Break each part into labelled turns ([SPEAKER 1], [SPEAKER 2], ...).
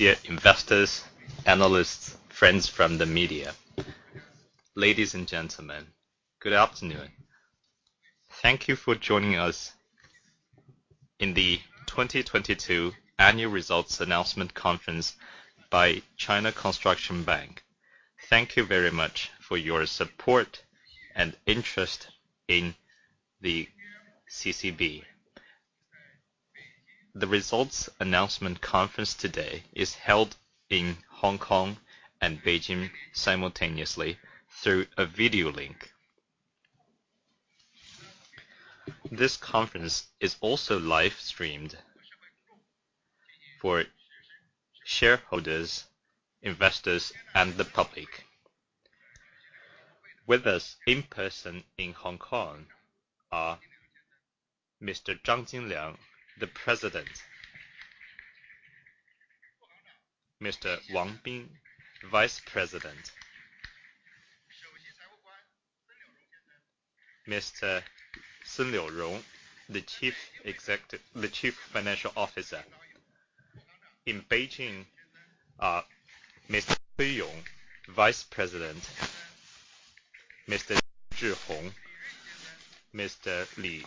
[SPEAKER 1] Dear investors, analysts, friends from the media, ladies and gentlemen, good afternoon. Thank you for joining us in the 2022 annual results announcement conference by China Construction Bank. Thank you very much for your support and interest in the CCB. The results announcement conference today is held in Hong Kong and Beijing simultaneously through a video link. This conference is also live-streamed for shareholders, investors, and the public. With us in person in Hong Kong are Mr. Zhang Jinliang, the President; Mr. Wang Bin, Vice President; Mr. Sheng Liurong, Chief Financial Officer. In Beijing are Mr. Cui Yong, Vice President; Mr. Zhihong; Mr. Li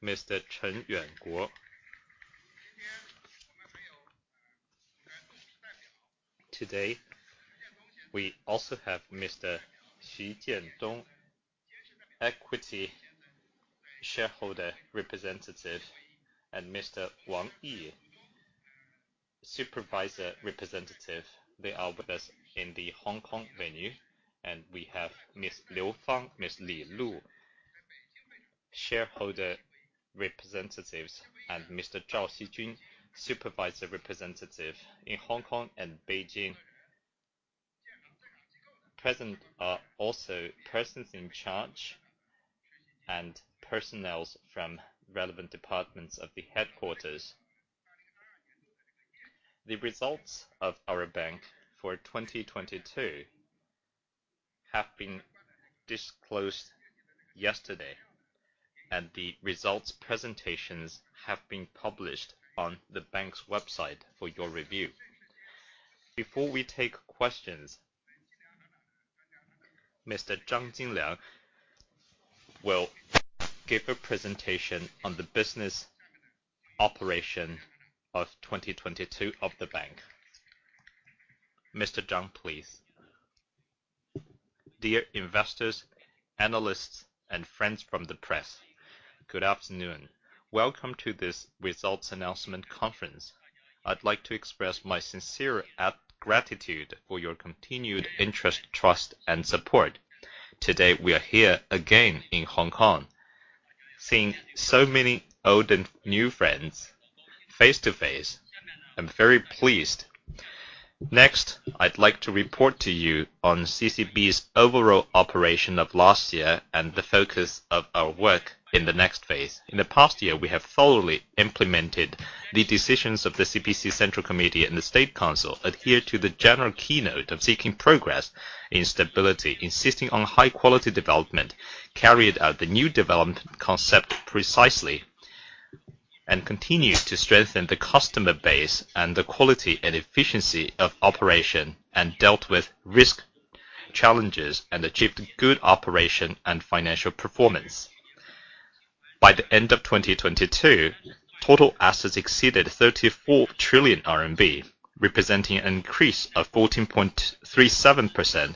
[SPEAKER 1] Yun; Mr. Cheng Yuanguo. Today, we also have Mr. Xu Jiandong, Equity Shareholder Representative; and Mr. Wang Yi, Supervisor Representative. They are with us in the Hong Kong venue. We have Miss Liu Fang, Miss Li Lu, Shareholder Representatives, and Mr. Zhao Xijun, Supervisor Representative. In Hong Kong and Beijing present are also persons-in-charge and personnels from relevant departments of the headquarters. The results of our bank for 2022 have been disclosed yesterday. The results presentations have been published on the bank's website for your review. Before we take questions, Mr. Zhang Jinliang will give a presentation on the business operation of 2022 of the bank. Mr. Zhang, please.
[SPEAKER 2] Dear investors, analysts, and friends from the press, good afternoon. Welcome to this results announcement conference. I'd like to express my sincere gratitude for your continued interest, trust, and support. Today, we are here again in Hong Kong, seeing so many old and new friends face to face. I'm very pleased. Next, I'd like to report to you on CCB's overall operation of last year and the focus of our work in the next phase. In the past year, we have thoroughly implemented the decisions of the CPC Central Committee and the State Council, adhered to the general keynote of seeking progress in stability, insisting on high-quality development, carried out the new development concept precisely, continued to strengthen the customer base and the quality and efficiency of operation, and dealt with risk, challenges, and achieved good operation and financial performance. By the end of 2022, total assets exceeded 34 trillion RMB, representing an increase of 14.37%.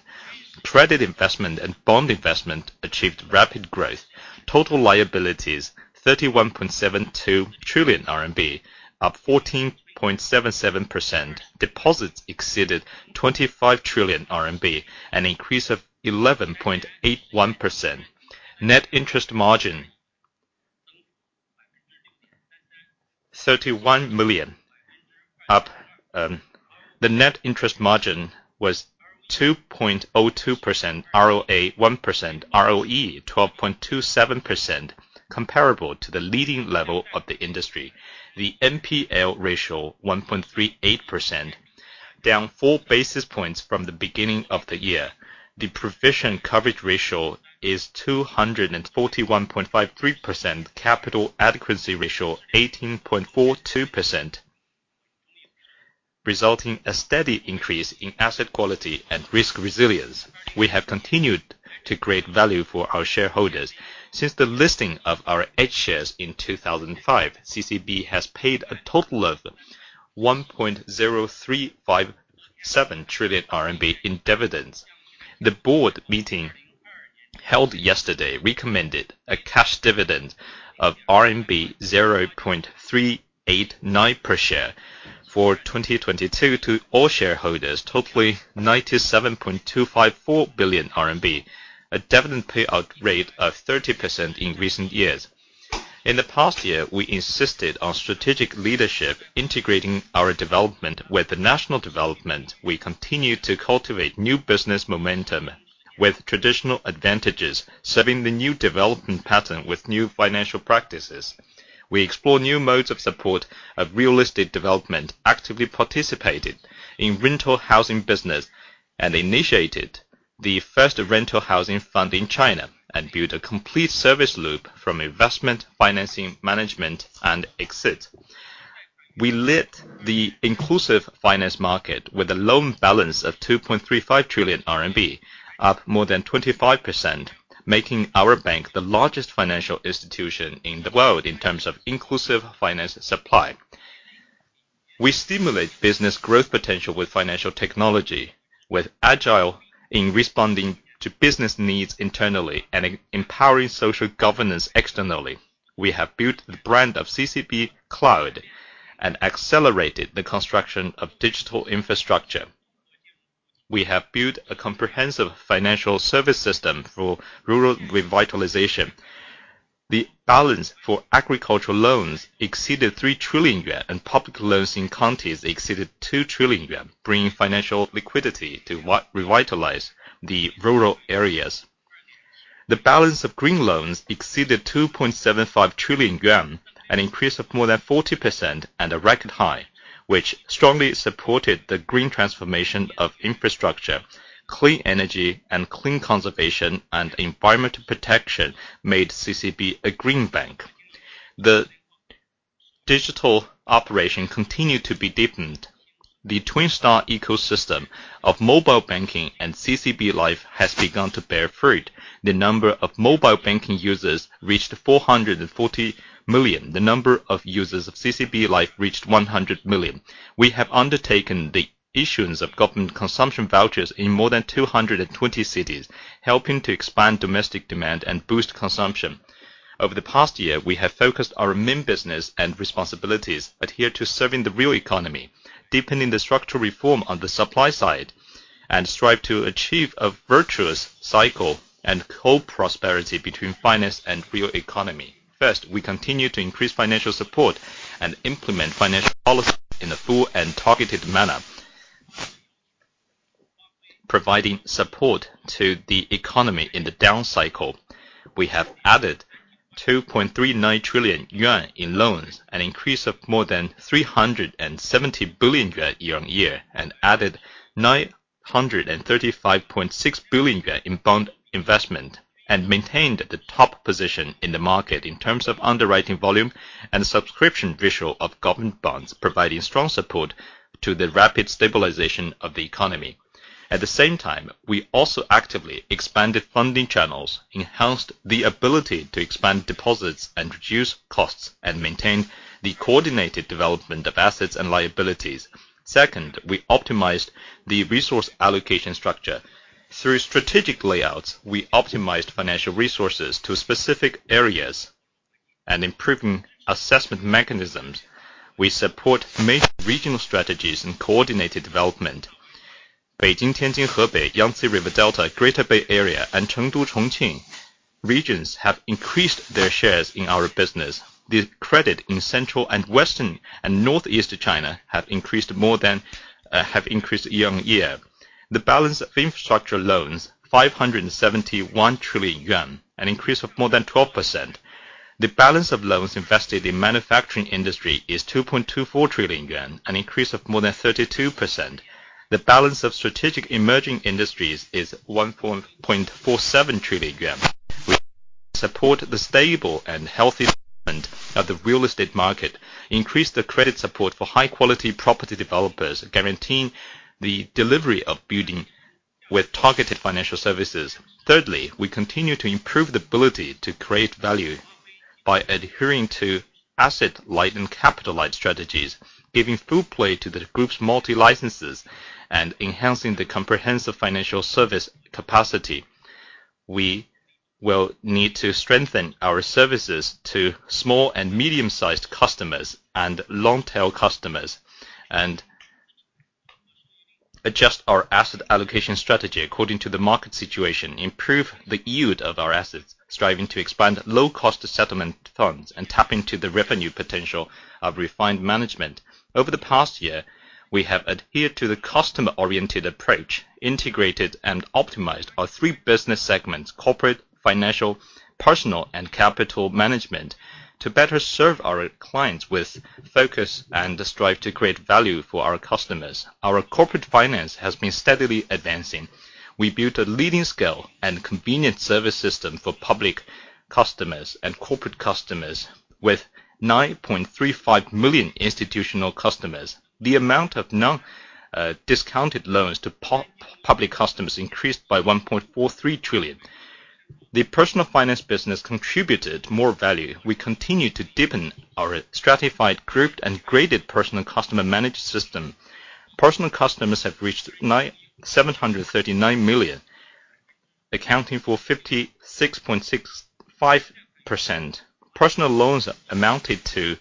[SPEAKER 2] Credit investment and bond investment achieved rapid growth. Total liabilities, 31.72 trillion RMB, up 14.77%. Deposits exceeded 25 trillion RMB, an increase of 11.81%. Net interest margin, RMB 31 million, up. The net interest margin was 2.02% ROA, 1% ROE, 12.27%, comparable to the leading level of the industry. The NPL ratio, 1.38%, down 4 basis points from the beginning of the year. The provision coverage ratio is 241.53%, capital adequacy ratio, 18.42%, resulting a steady increase in asset quality and risk resilience. We have continued to create value for our shareholders. Since the listing of our H-shares in 2005, CCB has paid a total of 1.0357 trillion RMB in dividends. The board meeting held yesterday recommended a cash dividend of RMB 0.389 per share for 2022 to all shareholders, totally 97.254 billion RMB, a dividend payout rate of 30% in recent years. In the past year, we insisted on strategic leadership, integrating our development with the national development. We continued to cultivate new business momentum with traditional advantages, serving the new development pattern with new financial practices. We explore new modes of support of realistic development, actively participated in rental housing business, and initiated the first rental housing fund in China and build a complete service loop from investment, financing, management, and exit. We lit the inclusive finance market with a loan balance of 2.35 trillion RMB, up more than 25%, making our bank the largest financial institution in the world in terms of inclusive finance supply. We stimulate business growth potential with financial technology, with agile in responding to business needs internally and empowering social governance externally. We have built the brand of CCB Cloud and accelerated the construction of digital infrastructure. We have built a comprehensive financial service system for rural revitalization. The balance for agricultural loans exceeded 3 trillion yuan, and public loans in counties exceeded 2 trillion yuan, bringing financial liquidity to what revitalize the rural areas. The balance of green loans exceeded 2.75 trillion yuan, an increase of more than 40% and a record high, which strongly supported the green transformation of infrastructure. Clean energy and clean conservation and environmental protection made CCB a green bank. The digital operation continued to be deepened. The Twin Star ecosystem of mobile banking and CCB Life has begun to bear fruit. The number of mobile banking users reached 440 million. The number of users of CCB Life reached 100 million. We have undertaken the issuance of government consumption vouchers in more than 220 cities, helping to expand domestic demand and boost consumption. Over the past year, we have focused our main business and responsibilities, adhere to serving the real economy, deepening the structural reform on the supply side, and strive to achieve a virtuous cycle and co-prosperity between finance and real economy. First, we continue to increase financial support and implement financial policy in a full and targeted manner, providing support to the economy in the down cycle. We have added 2.39 trillion yuan in loans, an increase of more than 370 billion yuan year-on-year, and added 935.6 billion yuan in bond investment, and maintained the top position in the market in terms of underwriting volume and subscription ratio of government bonds, providing strong support to the rapid stabilization of the economy. At the same time, we also actively expanded funding channels, enhanced the ability to expand deposits and reduce costs, and maintained the coordinated development of assets and liabilities. Second, we optimized the resource allocation structure. Through strategic layouts, we optimized financial resources to specific areas and improving assessment mechanisms. We support major regional strategies and coordinated development. Beijing, Tianjin, Hebei, Yangtze River Delta, Greater Bay Area, and Chengdu, Chongqing regions have increased their shares in our business. The credit in central and western and Northeast China have increased more than year on year. The balance of infrastructure loans, 571 trillion yuan, an increase of more than 12%. The balance of loans invested in manufacturing industry is 2.24 trillion yuan, an increase of more than 32%. The balance of strategic emerging industries is 1.47 trillion yuan. We support the stable and healthy development of the real estate market, increase the credit support for high quality property developers, guaranteeing the delivery of building with targeted financial services. Thirdly, we continue to improve the ability to create value by adhering to asset light and capital light strategies, giving full play to the group's multi licenses and enhancing the comprehensive financial service capacity. We will need to strengthen our services to small and medium-sized customers and long-tail customers and adjust our asset allocation strategy according to the market situation, improve the yield of our assets, striving to expand low cost settlement funds and tap into the revenue potential of refined management. Over the past year, we have adhered to the customer-oriented approach, integrated and optimized our three business segments, corporate, financial, personal, and capital management, to better serve our clients with focus and the strive to create value for our customers. Our corporate finance has been steadily advancing. We built a leading scale and convenient service system for public customers and corporate customers with 9.35 million institutional customers. The amount of non-discounted loans to public customers increased by 1.43 trillion. The personal finance business contributed more value. We continued to deepen our stratified, grouped, and graded personal customer managed system. Personal customers have reached 739 million, accounting for 56.65%. Personal loans amounted to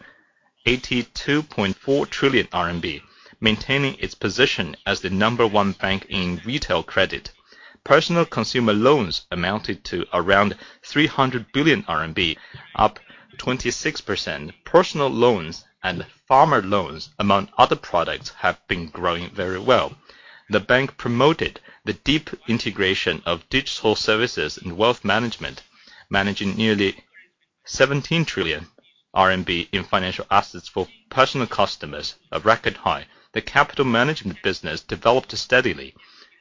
[SPEAKER 2] 82.4 trillion RMB, maintaining its position as the number one bank in retail credit. Personal consumer loans amounted to around 300 billion RMB, up 26%. Personal loans and farmer loans, among other products, have been growing very well. The bank promoted the deep integration of digital services and wealth management, managing nearly 17 trillion RMB in financial assets for personal customers, a record high. The Capital Management business developed steadily.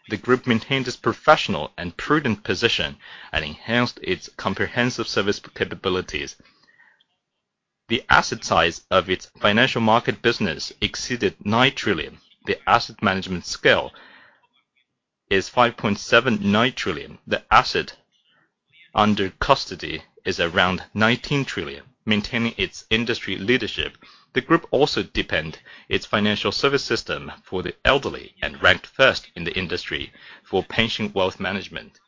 [SPEAKER 2] The group maintained its professional and prudent position and enhanced its comprehensive service capabilities. The asset size of its financial market business exceeded 9 trillion. The asset management scale is 5.79 trillion. The asset under custody is around 19 trillion, maintaining its industry leadership. The group also deepened its financial service system for the elderly and ranked first in the industry for pension wealth management.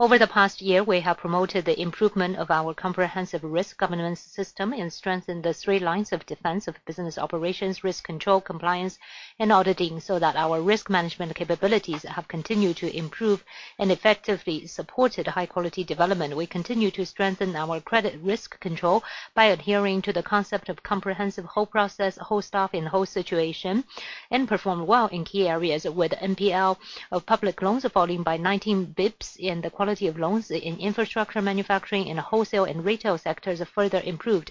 [SPEAKER 2] Over the past year, we have promoted the improvement of our comprehensive risk governance system and strengthened the three lines of defense of business operations, risk control, compliance, and auditing so that our risk management capabilities have continued to improve and effectively supported high-quality development. We continue to strengthen our credit risk control by adhering to the concept of comprehensive whole process, whole staff, and whole situation, and performed well in key areas with NPL of public loans falling by 19 basis points and the quality of loans in infrastructure, manufacturing, and wholesale and retail sectors further improved.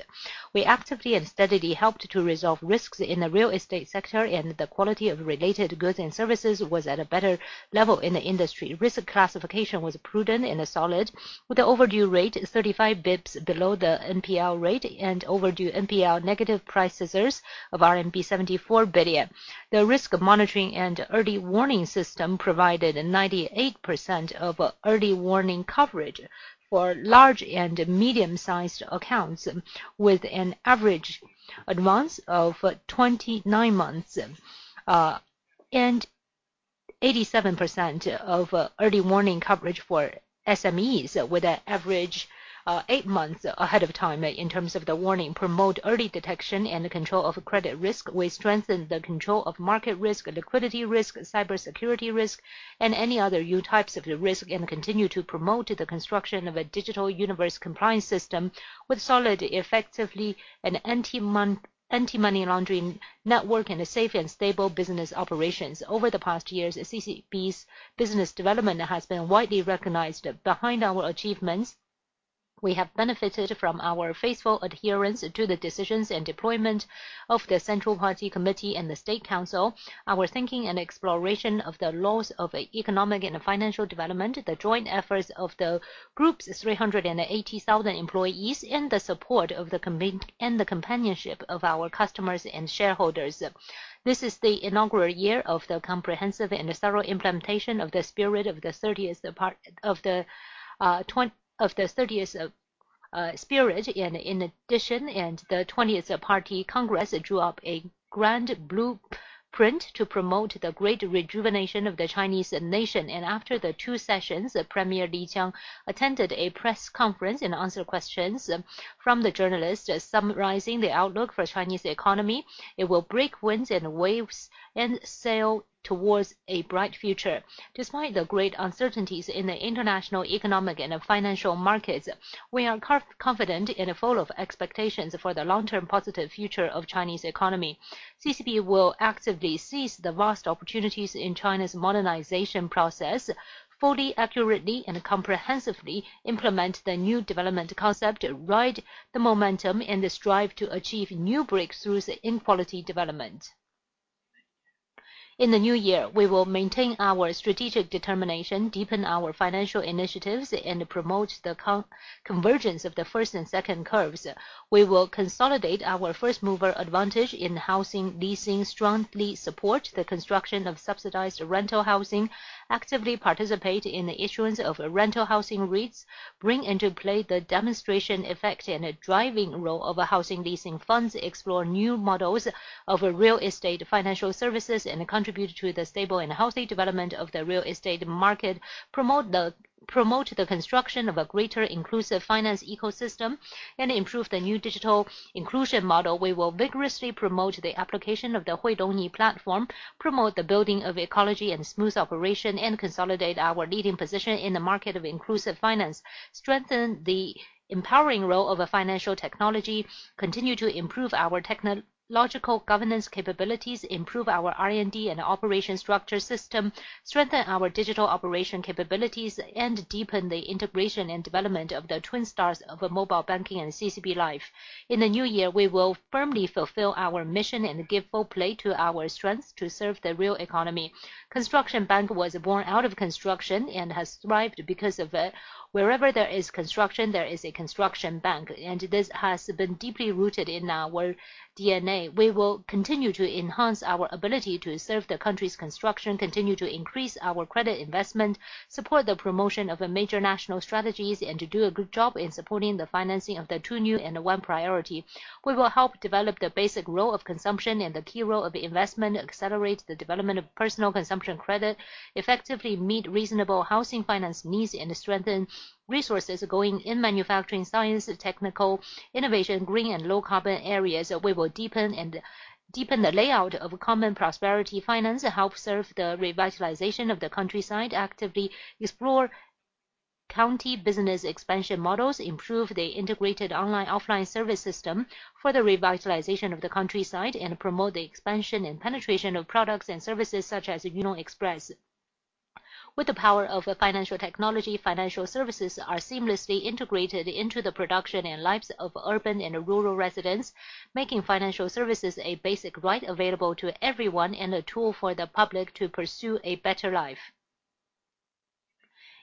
[SPEAKER 2] We actively and steadily helped to resolve risks in the real estate sector, and the quality of related goods and services was at a better level in the industry. Risk classification was prudent and solid, with the overdue rate 35 basis points below the NPL rate and overdue NPL negative price scissors of RMB 74 billion. The risk monitoring and early warning system provided 98% of early warning coverage for large and medium-sized accounts, with an average advance of 29 months, and 87% of early warning coverage for SMEs with an average eight months ahead of time in terms of the warning. Promote early detection and control of credit risk. We strengthened the control of market risk, liquidity risk, cybersecurity risk, and any other new types of risk, and continue to promote the construction of a digital universe compliance system with solid, effectively, and anti-money laundering network and a safe and stable business operations. Over the past years, CCB's business development has been widely recognized. Behind our achievements, we have benefited from our faithful adherence to the decisions and deployment of the Central Party Committee and the State Council, our thinking and exploration of the laws of economic and financial development, the joint efforts of the group's 380,000 employees, and the support of the companionship of our customers and shareholders. This is the inaugural year of the comprehensive and thorough implementation of the spirit of the 30th spirit. In addition, the 20th Party Congress drew up a grand blueprint to promote the great rejuvenation of the Chinese Nation. After the Two Sessions, Premier Li Qiang attended a press conference and answered questions from the journalists, summarizing the outlook for Chinese economy. It will break winds and waves and sail towards a bright future. Despite the great uncertainties in the international economic and financial markets, we are confident and full of expectations for the long-term positive future of Chinese economy. CCB will actively seize the vast opportunities in China's modernization process, fully, accurately, and comprehensively implement the new development concept, ride the momentum, and strive to achieve new breakthroughs in quality development. In the new year, we will maintain our strategic determination, deepen our financial initiatives, and promote the convergence of the first and second curves. We will consolidate our first-mover advantage in housing leasing, strongly support the construction of subsidized rental housing, actively participate in the issuance of rental housing REITs, bring into play the demonstration effect and driving role of housing leasing funds, explore new models of real estate financial services, and contribute to the stable and healthy development of the real estate market, promote the construction of a greater inclusive finance ecosystem, and improve the new digital inclusion model. We will vigorously promote the application of the Hui Dong Ni platform, promote the building of ecology and smooth operation, and consolidate our leading position in the market of inclusive finance, strengthen the empowering role of financial technology, continue to improve our technological governance capabilities, improve our R&D and operation structure system, strengthen our digital operation capabilities, and deepen the integration and development of the Twin Star of mobile banking and CCB Life. In the new year, we will firmly fulfill our mission and give full play to our strengths to serve the real economy. Construction Bank was born out of construction and has thrived because of it. Wherever there is construction, there is a Construction Bank, and this has been deeply rooted in our DNA. We will continue to enhance our ability to serve the country's construction, continue to increase our credit investment, support the promotion of major national strategies, and to do a good job in supporting the financing of the two new and one priority. We will help develop the basic role of consumption and the key role of investment, accelerate the development of personal consumption credit, effectively meet reasonable housing finance needs, and strengthen resources going in manufacturing, science, technical innovation, green and low-carbon areas. We will deepen the layout of common prosperity finance, help serve the revitalization of the countryside, actively explore county business expansion models, improve the integrated online/offline service system for the revitalization of the countryside, and promote the expansion and penetration of products and services such as Yunong Express. With the power of financial technology, financial services are seamlessly integrated into the production and lives of urban and rural residents, making financial services a basic right available to everyone and a tool for the public to pursue a better life.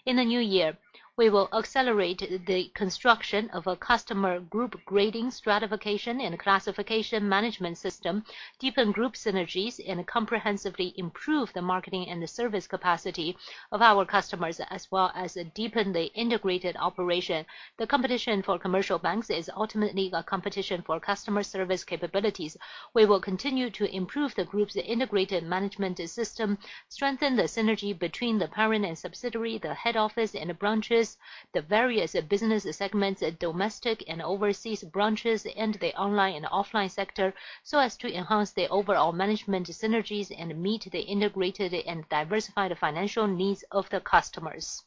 [SPEAKER 2] In the new year, we will accelerate the construction of a customer group grading stratification and classification management system, deepen group synergies, and comprehensively improve the marketing and the service capacity of our customers as well as deepen the integrated operation. The competition for commercial banks is ultimately a competition for customer service capabilities. We will continue to improve the group's integrated management system, strengthen the synergy between the parent and subsidiary, the head office and branches, the various business segments, domestic and overseas branches, and the online and offline sector, so as to enhance the overall management synergies and meet the integrated and diversified financial needs of the customers.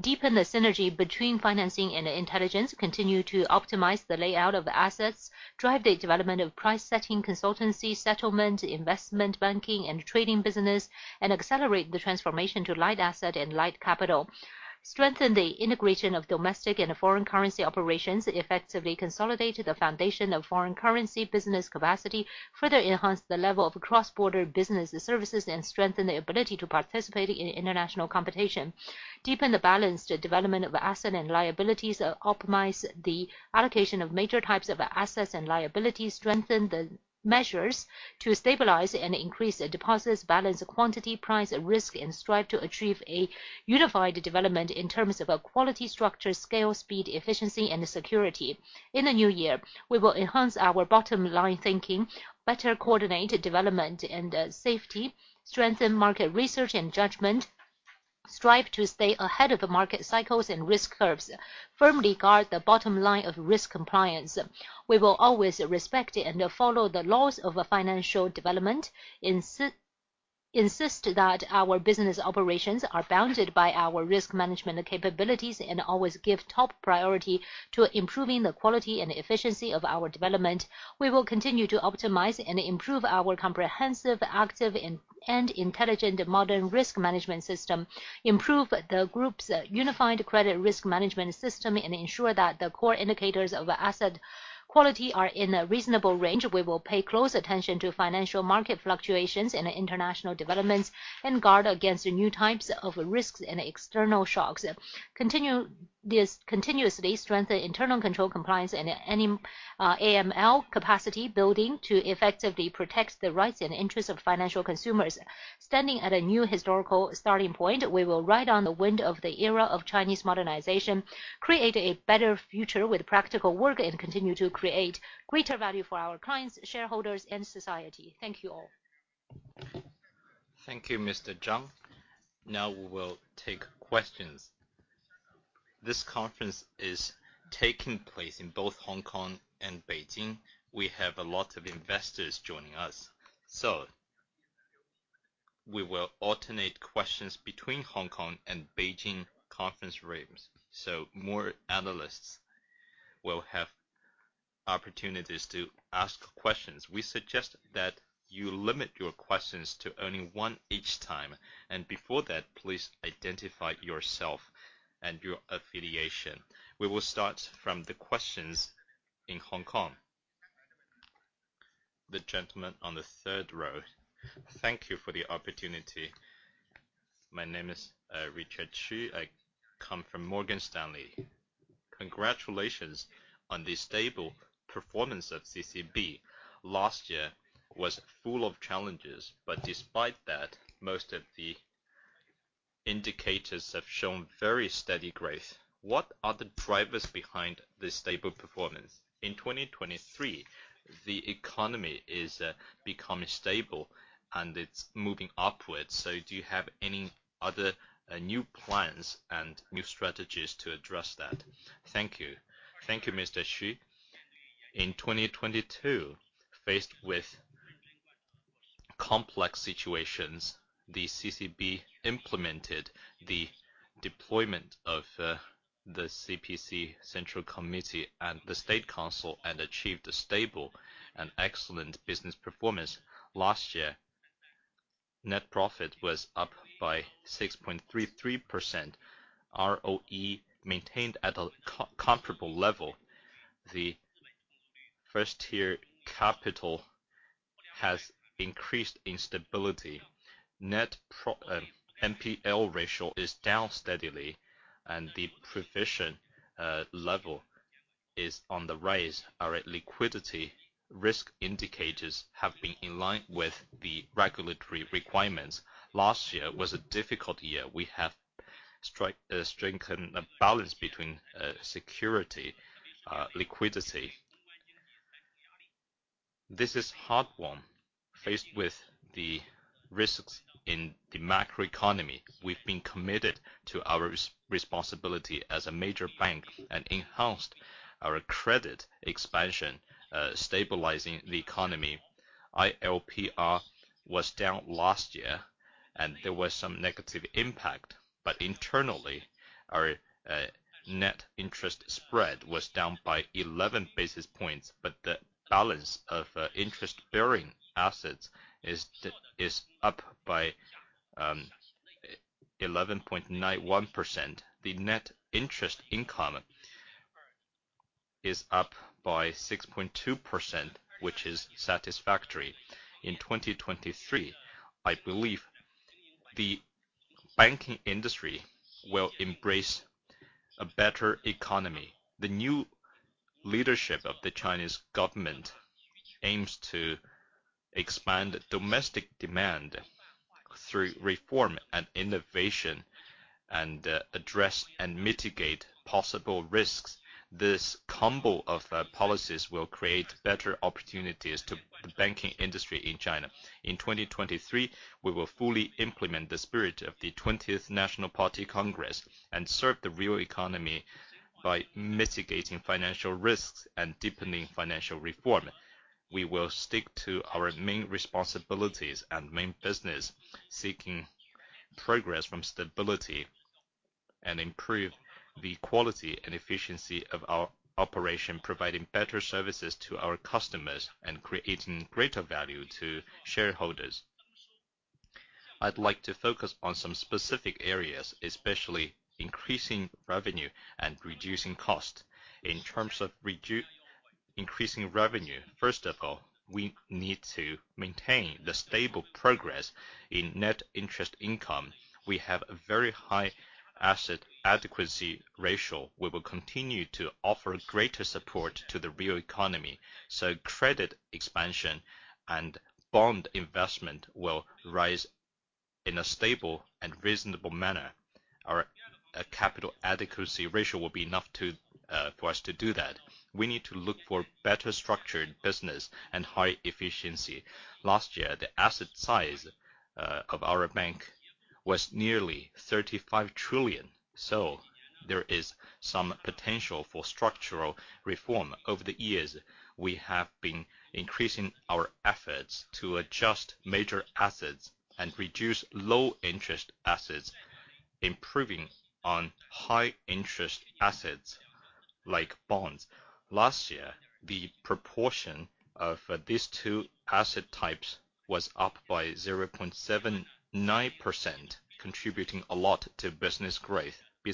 [SPEAKER 2] Deepen the synergy between financing and intelligence. Continue to optimize the layout of assets, drive the development of price setting consultancy, settlement, investment banking and trading business, and accelerate the transformation to light asset and light capital. Strengthen the integration of domestic and foreign currency operations. Effectively consolidate the foundation of foreign currency business capacity. Further enhance the level of cross-border business services and strengthen the ability to participate in international competition. Deepen the balanced development of asset and liabilities. Optimize the allocation of major types of assets and liabilities. Strengthen the measures to stabilize and increase deposits, balance quantity, price, and risk, and strive to achieve a unified development in terms of quality, structure, scale, speed, efficiency, and security. In the new year, we will enhance our bottom-line thinking, better coordinate development and safety, strengthen market research and judgment, strive to stay ahead of market cycles and risk curves, firmly guard the bottom line of risk compliance. We will always respect and follow the laws of financial development, insist that our business operations are bounded by our risk management capabilities, and always give top priority to improving the quality and efficiency of our development. We will continue to optimize and improve our comprehensive, active, and intelligent modern risk management system, improve the group's unified credit risk management system, and ensure that the core indicators of asset quality are in a reasonable range. We will pay close attention to financial market fluctuations and international developments and guard against new types of risks and external shocks. Continuously strengthen internal control compliance and AML capacity building to effectively protect the rights and interests of financial consumers. Standing at a new historical starting point, we will ride on the wind of the era of Chinese modernization, create a better future with practical work, and continue to create greater value for our clients, shareholders, and society. Thank you all.
[SPEAKER 1] Thank you, Mr. Zhang. Now we will take questions. This conference is taking place in both Hong Kong and Beijing. We have a lot of investors joining us, so we will alternate questions between Hong Kong and Beijing conference rooms, so more analysts will have opportunities to ask questions. We suggest that you limit your questions to only one each time, and before that, please identify yourself and your affiliation. We will start from the questions in Hong Kong. The gentleman on the third row.
[SPEAKER 3] Thank you for the opportunity. My name is Richard Xu. I come from Morgan Stanley. Congratulations on the stable performance of CCB. Last year was full of challenges, but despite that, most of the indicators have shown very steady growth. What are the drivers behind this stable performance? In 2023, the economy is becoming stable, and it's moving upwards. Do you have any other new plans and new strategies to address that? Thank you.
[SPEAKER 2] Thank you, Mr. Xu. In 2022, faced with complex situations, the CCB implemented the deployment of the CPC Central Committee and the State Council and achieved a stable and excellent business performance. Last year, net profit was up by 6.33%. ROE maintained at a co-comparable level. The first-tier capital has increased in stability. NPL ratio is down steadily, and the provision level is on the rise. Our liquidity risk indicators have been in line with the regulatory requirements. Last year was a difficult year. We have strengthened the balance between security, liquidity. This is hard-won. Faced with the risks in the macroeconomy, we've been committed to our responsibility as a major bank and enhanced our credit expansion, stabilizing the economy. LPR was down last year, and there was some negative impact. Internally, our net interest spread was down by 11 basis points, but the balance of interest-bearing assets is up by 11.91%. The net interest income is up by 6.2%, which is satisfactory. In 2023, I believe the banking industry will embrace a better economy. The new leadership of the Chinese government aims to expand domestic demand through reform and innovation and address and mitigate possible risks. This combo of policies will create better opportunities to the banking industry in China. In 2023, we will fully implement the spirit of the 20th National Party Congress and serve the real economy by mitigating financial risks and deepening financial reform. We will stick to our main responsibilities and main business, seeking progress from stability, and improve the quality and efficiency of our operation, providing better services to our customers and creating greater value to shareholders. I'd like to focus on some specific areas, especially increasing revenue and reducing cost. In terms of increasing revenue, first of all, we need to maintain the stable progress in net interest income. We have a very high capital adequacy ratio. We will continue to offer greater support to the real economy, so credit expansion and bond investment will rise in a stable and reasonable manner. Our capital adequacy ratio will be enough to for us to do that. We need to look for better structured business and high efficiency. Last year, the asset size of our bank was nearly 35 trillion. There is some potential for structural reform. Over the years, we have been increasing our efforts to adjust major assets and reduce low interest assets, improving on high interest assets like bonds. Last year, the proportion of these two asset types was up by 0.79%, contributing a lot to business growth. The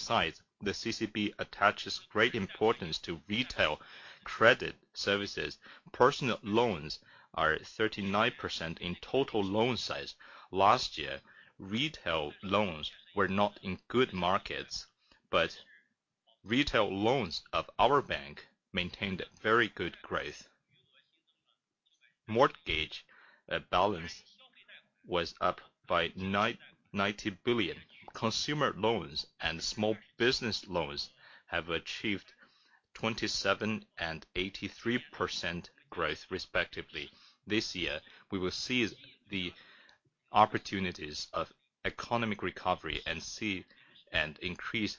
[SPEAKER 2] CCB attaches great importance to retail credit services. Personal loans are 39% in total loan size. Last year, retail loans were not in good markets. Retail loans of our bank maintained very good growth. Mortgage balance was up by 90 billion. Consumer loans and small business loans have achieved 27% and 83% growth respectively. This year, we will seize the opportunities of economic recovery and increase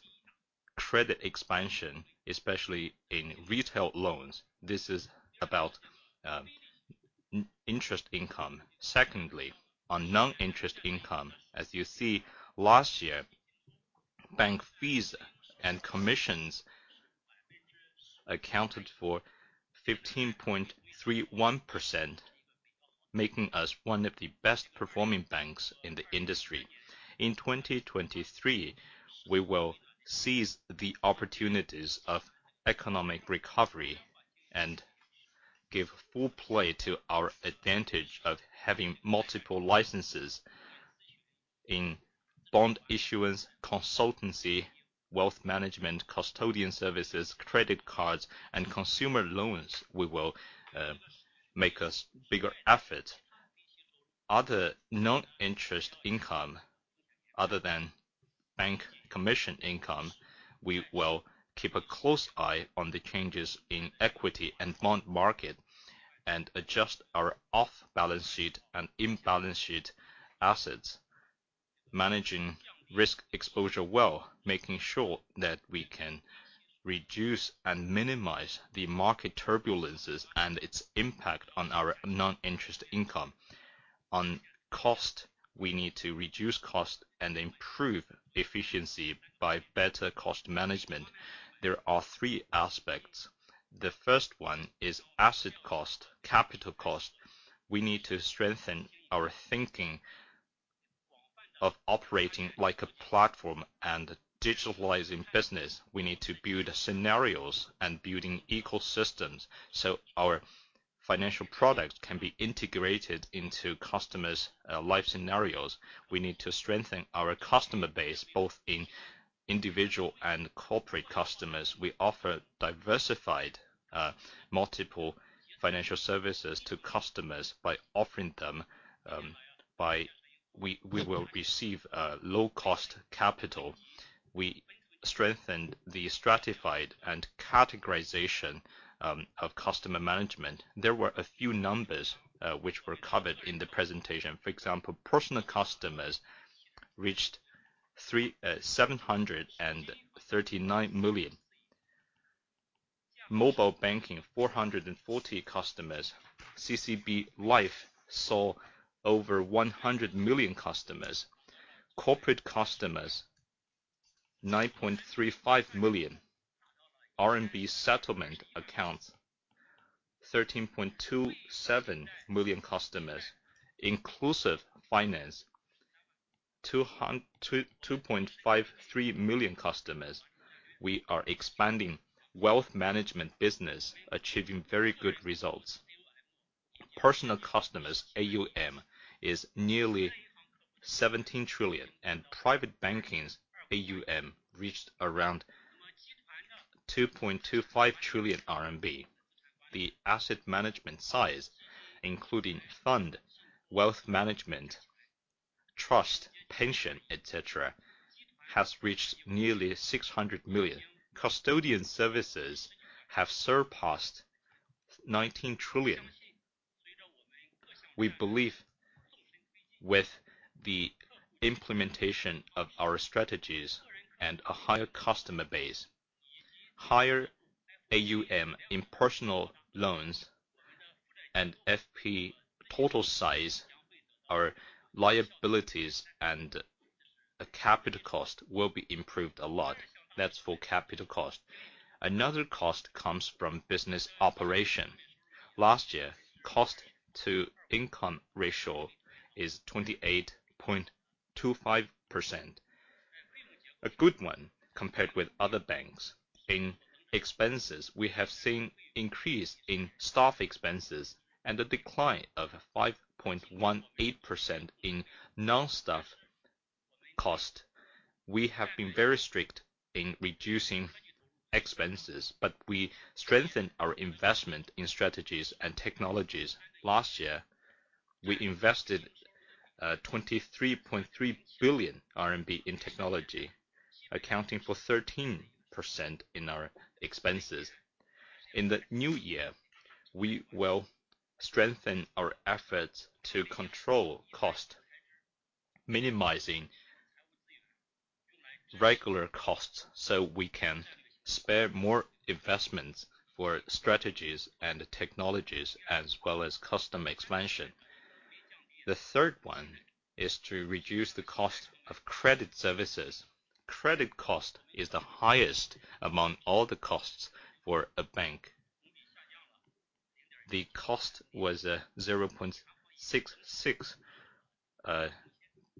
[SPEAKER 2] credit expansion, especially in retail loans. This is about interest income. Secondly, on non-interest income, as you see, last year, bank fees and commissions accounted for 15.31%, making us one of the best-performing banks in the industry. In 2023, we will seize the opportunities of economic recovery and give full play to our advantage of having multiple licenses in bond issuance, consultancy, wealth management, custodian services, credit cards, and consumer loans. We will make a bigger effort. Other non-interest income other than bank commission income, we will keep a close eye on the changes in equity and bond market and adjust our off-balance sheet and imbalance sheet assets, managing risk exposure well, making sure that we can reduce and minimize the market turbulences and its impact on our non-interest income. On cost, we need to reduce cost and improve efficiency by better cost management. There are three aspects. The first one is asset cost, capital cost. We need to strengthen our thinking of operating like a platform and digitalizing business. We need to build scenarios and building ecosystems, so our financial products can be integrated into customers' life scenarios. We need to strengthen our customer base, both in individual and corporate customers. We offer diversified multiple financial services to customers by offering them. We will receive low cost capital. We strengthen the stratified and categorization of customer management. There were a few numbers which were covered in the presentation. For example, personal customers reached 739 million. mobile banking, 440 customers. CCB Life saw over 100 million customers. Corporate customers, 9.35 million. RMB settlement accounts, 13.27 million customers. Inclusive finance, 2.53 million customers. We are expanding wealth management business, achieving very good results. Personal customers AUM is nearly 17 trillion, and private banking's AUM reached around 2.25 trillion RMB. The asset management size, including fund, wealth management, trust, pension, et cetera, has reached nearly 600 million. Custodian services have surpassed 19 trillion. We believe, with the implementation of our strategies and a higher customer base, higher AUM in personal loans and FP total size, our liabilities and capital cost will be improved a lot. That's for capital cost. Another cost comes from business operation. Last year, cost-to-income ratio is 28.25%. A good one compared with other banks. In expenses, we have seen increase in staff expenses and a decline of 5.18% in non-staff cost. We have been very strict in reducing expenses, but we strengthened our investment in strategies and technologies. Last year, we invested 23.3 billion RMB in technology, accounting for 13% in our expenses. In the new year, we will strengthen our efforts to control cost, minimizing regular costs, so we can spare more investments for strategies and technologies as well as custom expansion. The third one is to reduce the cost of credit services. Credit cost is the highest among all the costs for a bank. The cost was 0.66%,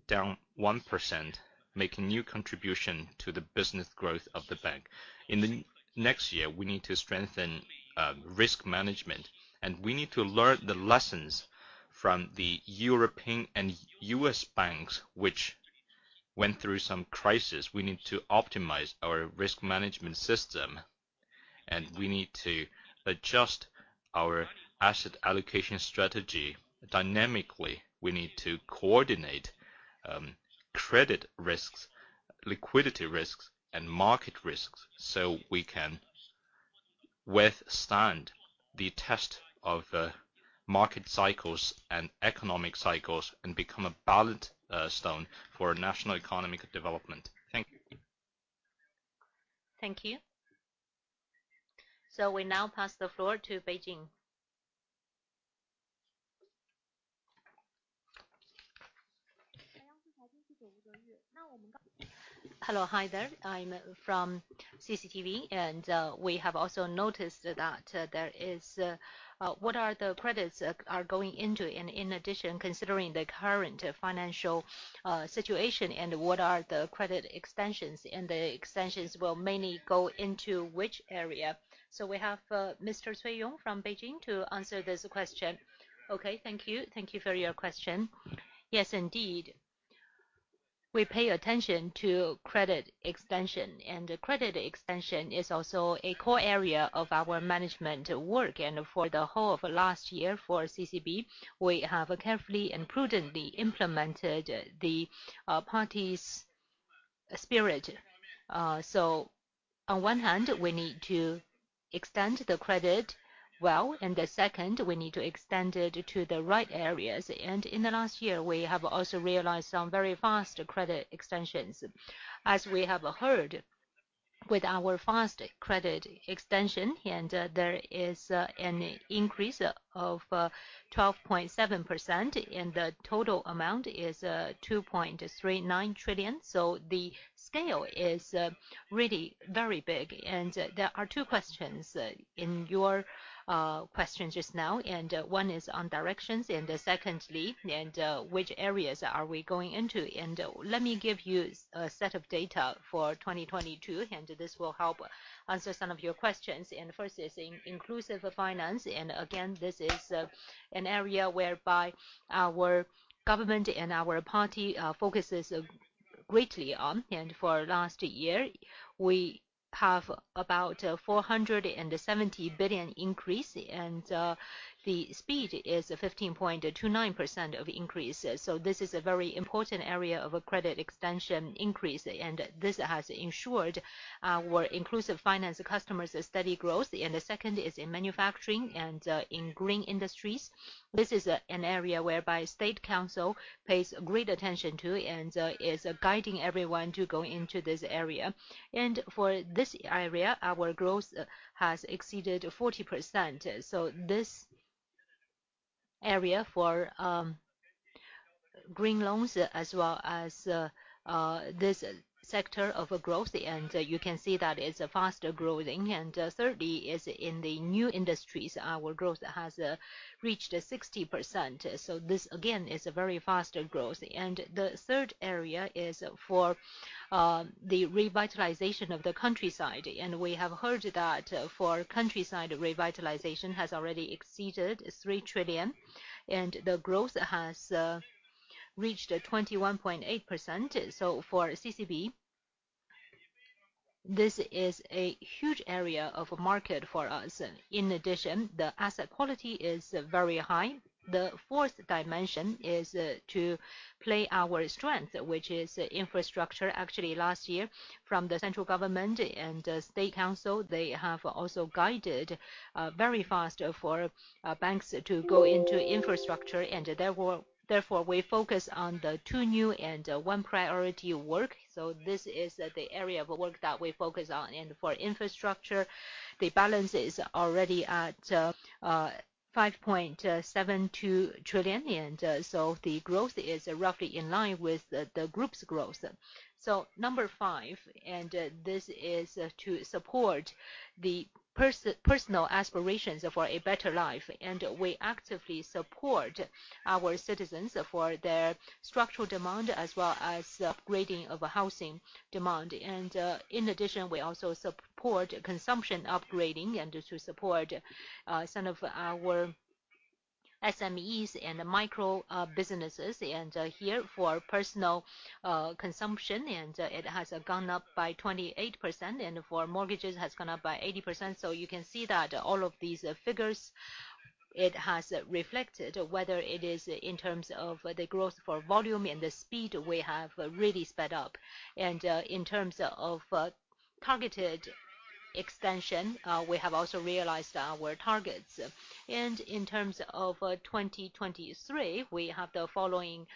[SPEAKER 2] down 1%, making new contribution to the business growth of the bank. In the next year, we need to strengthen risk management, and we need to learn the lessons from the European and U.S. banks which went through some crisis. We need to optimize our risk management system, and we need to adjust our asset allocation strategy dynamically. We need to coordinate credit risks, liquidity risks, and market risks, so we can withstand the test of market cycles and economic cycles and become a balanced stone for national economic development. Thank you.
[SPEAKER 4] Thank you. We now pass the floor to Beijing.
[SPEAKER 5] Hello. Hi there. I'm from CCTV. We have also noticed that there is What are the credits going into? In addition, considering the current financial situation, what are the credit extensions, the extensions will mainly go into which area?
[SPEAKER 4] We have Mr. Cui Yong from Beijing to answer this question.
[SPEAKER 6] Okay. Thank you. Thank you for your question. Yes, indeed, we pay attention to credit extension, and credit extension is also a core area of our management work. For the whole of last year for CCB, we have carefully and prudently implemented the party's spirit. On one hand, we need to extend the credit well, and the second, we need to extend it to the right areas. In the last year, we have also realized some very fast credit extensions. As we have heard, with our fast credit extension, and there is an increase of 12.7%, and the total amount is 2.39 trillion. The scale is really very big. There are two questions in your questions just now. One is on directions, and secondly, which areas are we going into? Let me give you a set of data for 2022, and this will help answer some of your questions. First is in inclusive finance. Again, this is an area whereby our government and our party focuses greatly on. For last year, we have about 470 billion increase, and the speed is 15.29% of increase. This is a very important area of a credit extension increase, and this has ensured our inclusive finance customers a steady growth. The second is in manufacturing and in green industries. This is an area whereby State Council pays great attention to and is guiding everyone to go into this area. For this area, our growth has exceeded 40%. This area for green loans as well as this sector of growth. You can see that it's faster-growing. Thirdly is in the new industries, our growth has reached 60%. This, again, is a very faster growth. The third area is for the revitalization of the countryside. We have heard that for countryside, revitalization has already exceeded 3 trillion, and the growth has reached 21.8%. For CCB, this is a huge area of market for us. In addition, the asset quality is very high. The fourth dimension is to play our strength, which is infrastructure. Actually, last year from the central government and State Council, they have also guided very fast for banks to go into infrastructure, and therefore, we focus on the two new and one priority work. This is the area of work that we focus on. For infrastructure, the balance is already at 5.72 trillion. The growth is roughly in line with the group's growth. Number five, this is to support the personal aspirations for a better life. We actively support our citizens for their structural demand as well as upgrading of housing demand. In addition, we also support consumption upgrading and to support some of our SMEs and micro businesses, and here for personal consumption. It has gone up by 28%, and for mortgages, has gone up by 80%. You can see that all of these figures, it has reflected, whether it is in terms of the growth for volume and the speed, we have really sped up. In terms of targeted extension, we have also realized our targets. In terms of 2023, we have the following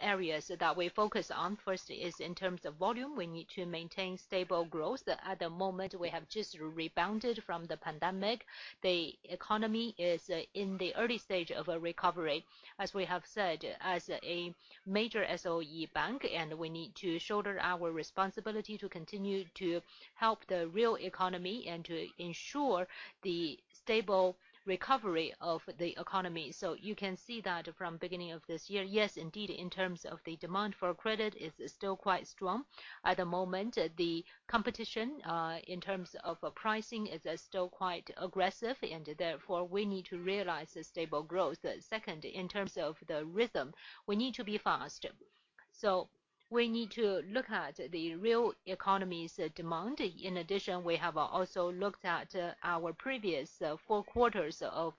[SPEAKER 6] areas that we focus on. First is in terms of volume. We need to maintain stable growth. At the moment, we have just rebounded from the pandemic. The economy is in the early stage of a recovery, as we have said, as a major SOE bank, we need to shoulder our responsibility to continue to help the real economy and to ensure the stable recovery of the economy. You can see that from beginning of this year. Yes, indeed, in terms of the demand for credit is still quite strong. At the moment, the competition in terms of pricing is still quite aggressive, therefore, we need to realize a stable growth. Second, in terms of the rhythm, we need to be faster. We need to look at the real economy's demand. In addition, we have also looked at our previous four quarters of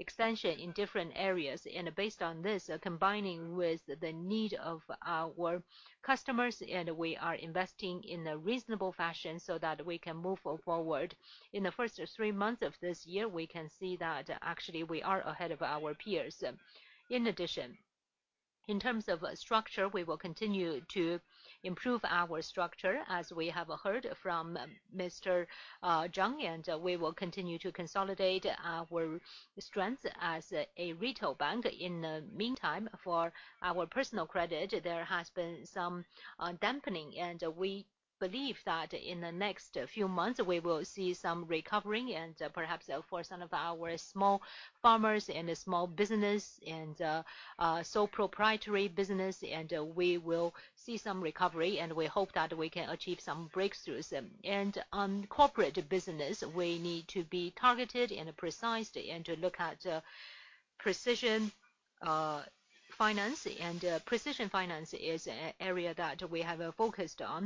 [SPEAKER 6] expansion in different areas. Based on this, combining with the need of our customers, and we are investing in a reasonable fashion so that we can move forward. In the first three months of this year, we can see that actually we are ahead of our peers. In addition, in terms of structure, we will continue to improve our structure, as we have heard from Mr. Zhang, and we will continue to consolidate our strength as a retail bank. In the meantime, for our personal credit, there has been some dampening, and we believe that in the next few months we will see some recovering and perhaps for some of our small farmers and small business and sole proprietary business, and we will see some recovery, and we hope that we can achieve some breakthroughs. On corporate business, we need to be targeted and precise and to look at precision finance. Precision finance is an area that we have focused on.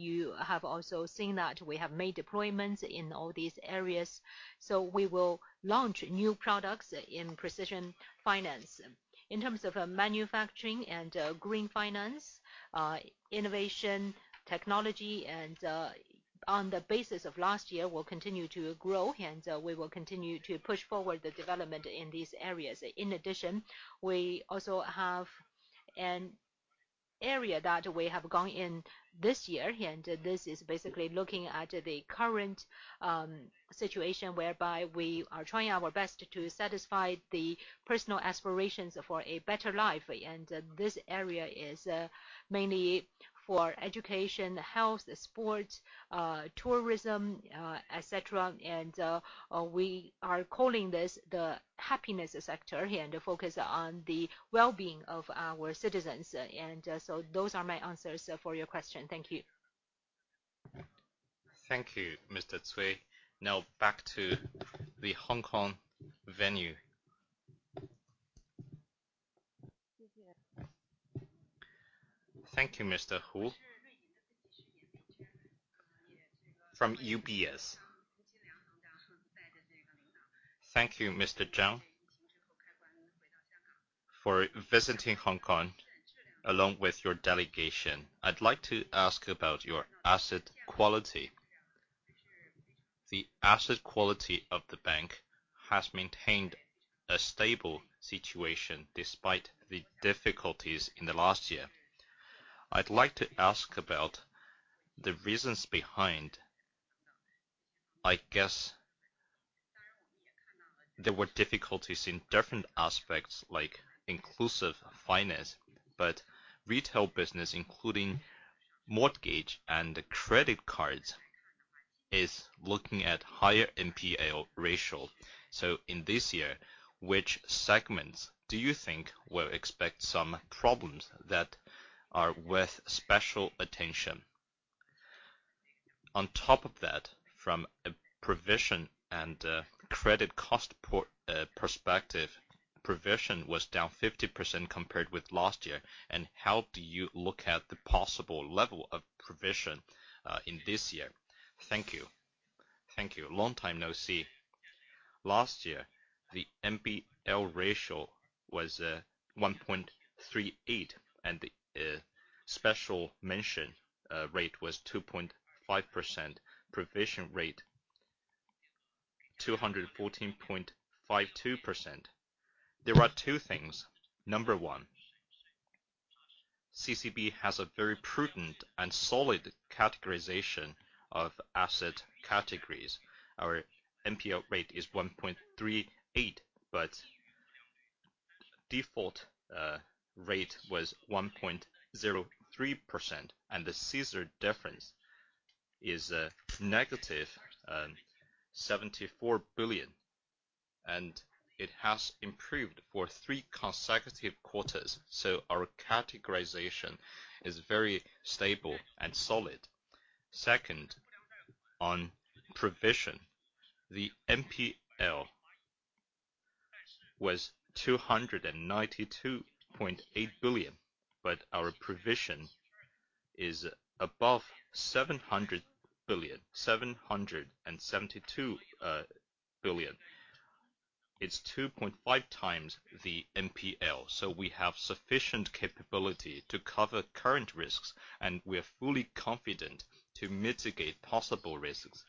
[SPEAKER 6] You have also seen that we have made deployments in all these areas. We will launch new products in precision finance. In terms of manufacturing and green finance, innovation, technology, and on the basis of last year, will continue to grow, and we will continue to push forward the development in these areas. In addition, we also have an area that we have gone in this year, and this is basically looking at the current situation whereby we are trying our best to satisfy the personal aspirations for a better life. This area is mainly for education, health, sports, tourism, et cetera. We are calling this the happiness sector and focus on the well-being of our citizens. Those are my answers for your question. Thank you.
[SPEAKER 2] Thank you, Mr. Cui. Back to the Hong Kong venue. Thank you, Mr. Hu, from UBS.
[SPEAKER 7] Thank you, Mr. Zhang, for visiting Hong Kong along with your delegation. I'd like to ask about your asset quality. The asset quality of the bank has maintained a stable situation despite the difficulties in the last year. I'd like to ask about the reasons behind. I guess there were difficulties in different aspects like inclusive finance, but retail business, including mortgage and credit cards, is looking at higher NPL ratio. In this year, which segments do you think will expect some problems that are worth special attention? On top of that, from a provision and credit cost perspective, provision was down 50% compared with last year. How do you look at the possible level of provision in this year? Thank you. Thank you.
[SPEAKER 2] Long time no see. Last year, the NPL ratio was 1.38, and the special mention rate was 2.5%. Provision rate 214.52%. There are two things. Number one, CCB has a very prudent and solid categorization of asset categories. Our NPL rate is 1.38, but default rate was 1.03%. The scissors difference is negative 74 billion, it has improved for three consecutive quarters. Our categorization is very stable and solid. Second, on provision, the NPL was 292.8 billion, our provision is above 700 billion, 772 billion. It's 2.5x the NPL, we have sufficient capability to cover current risks, we're fully confident to mitigate possible risks.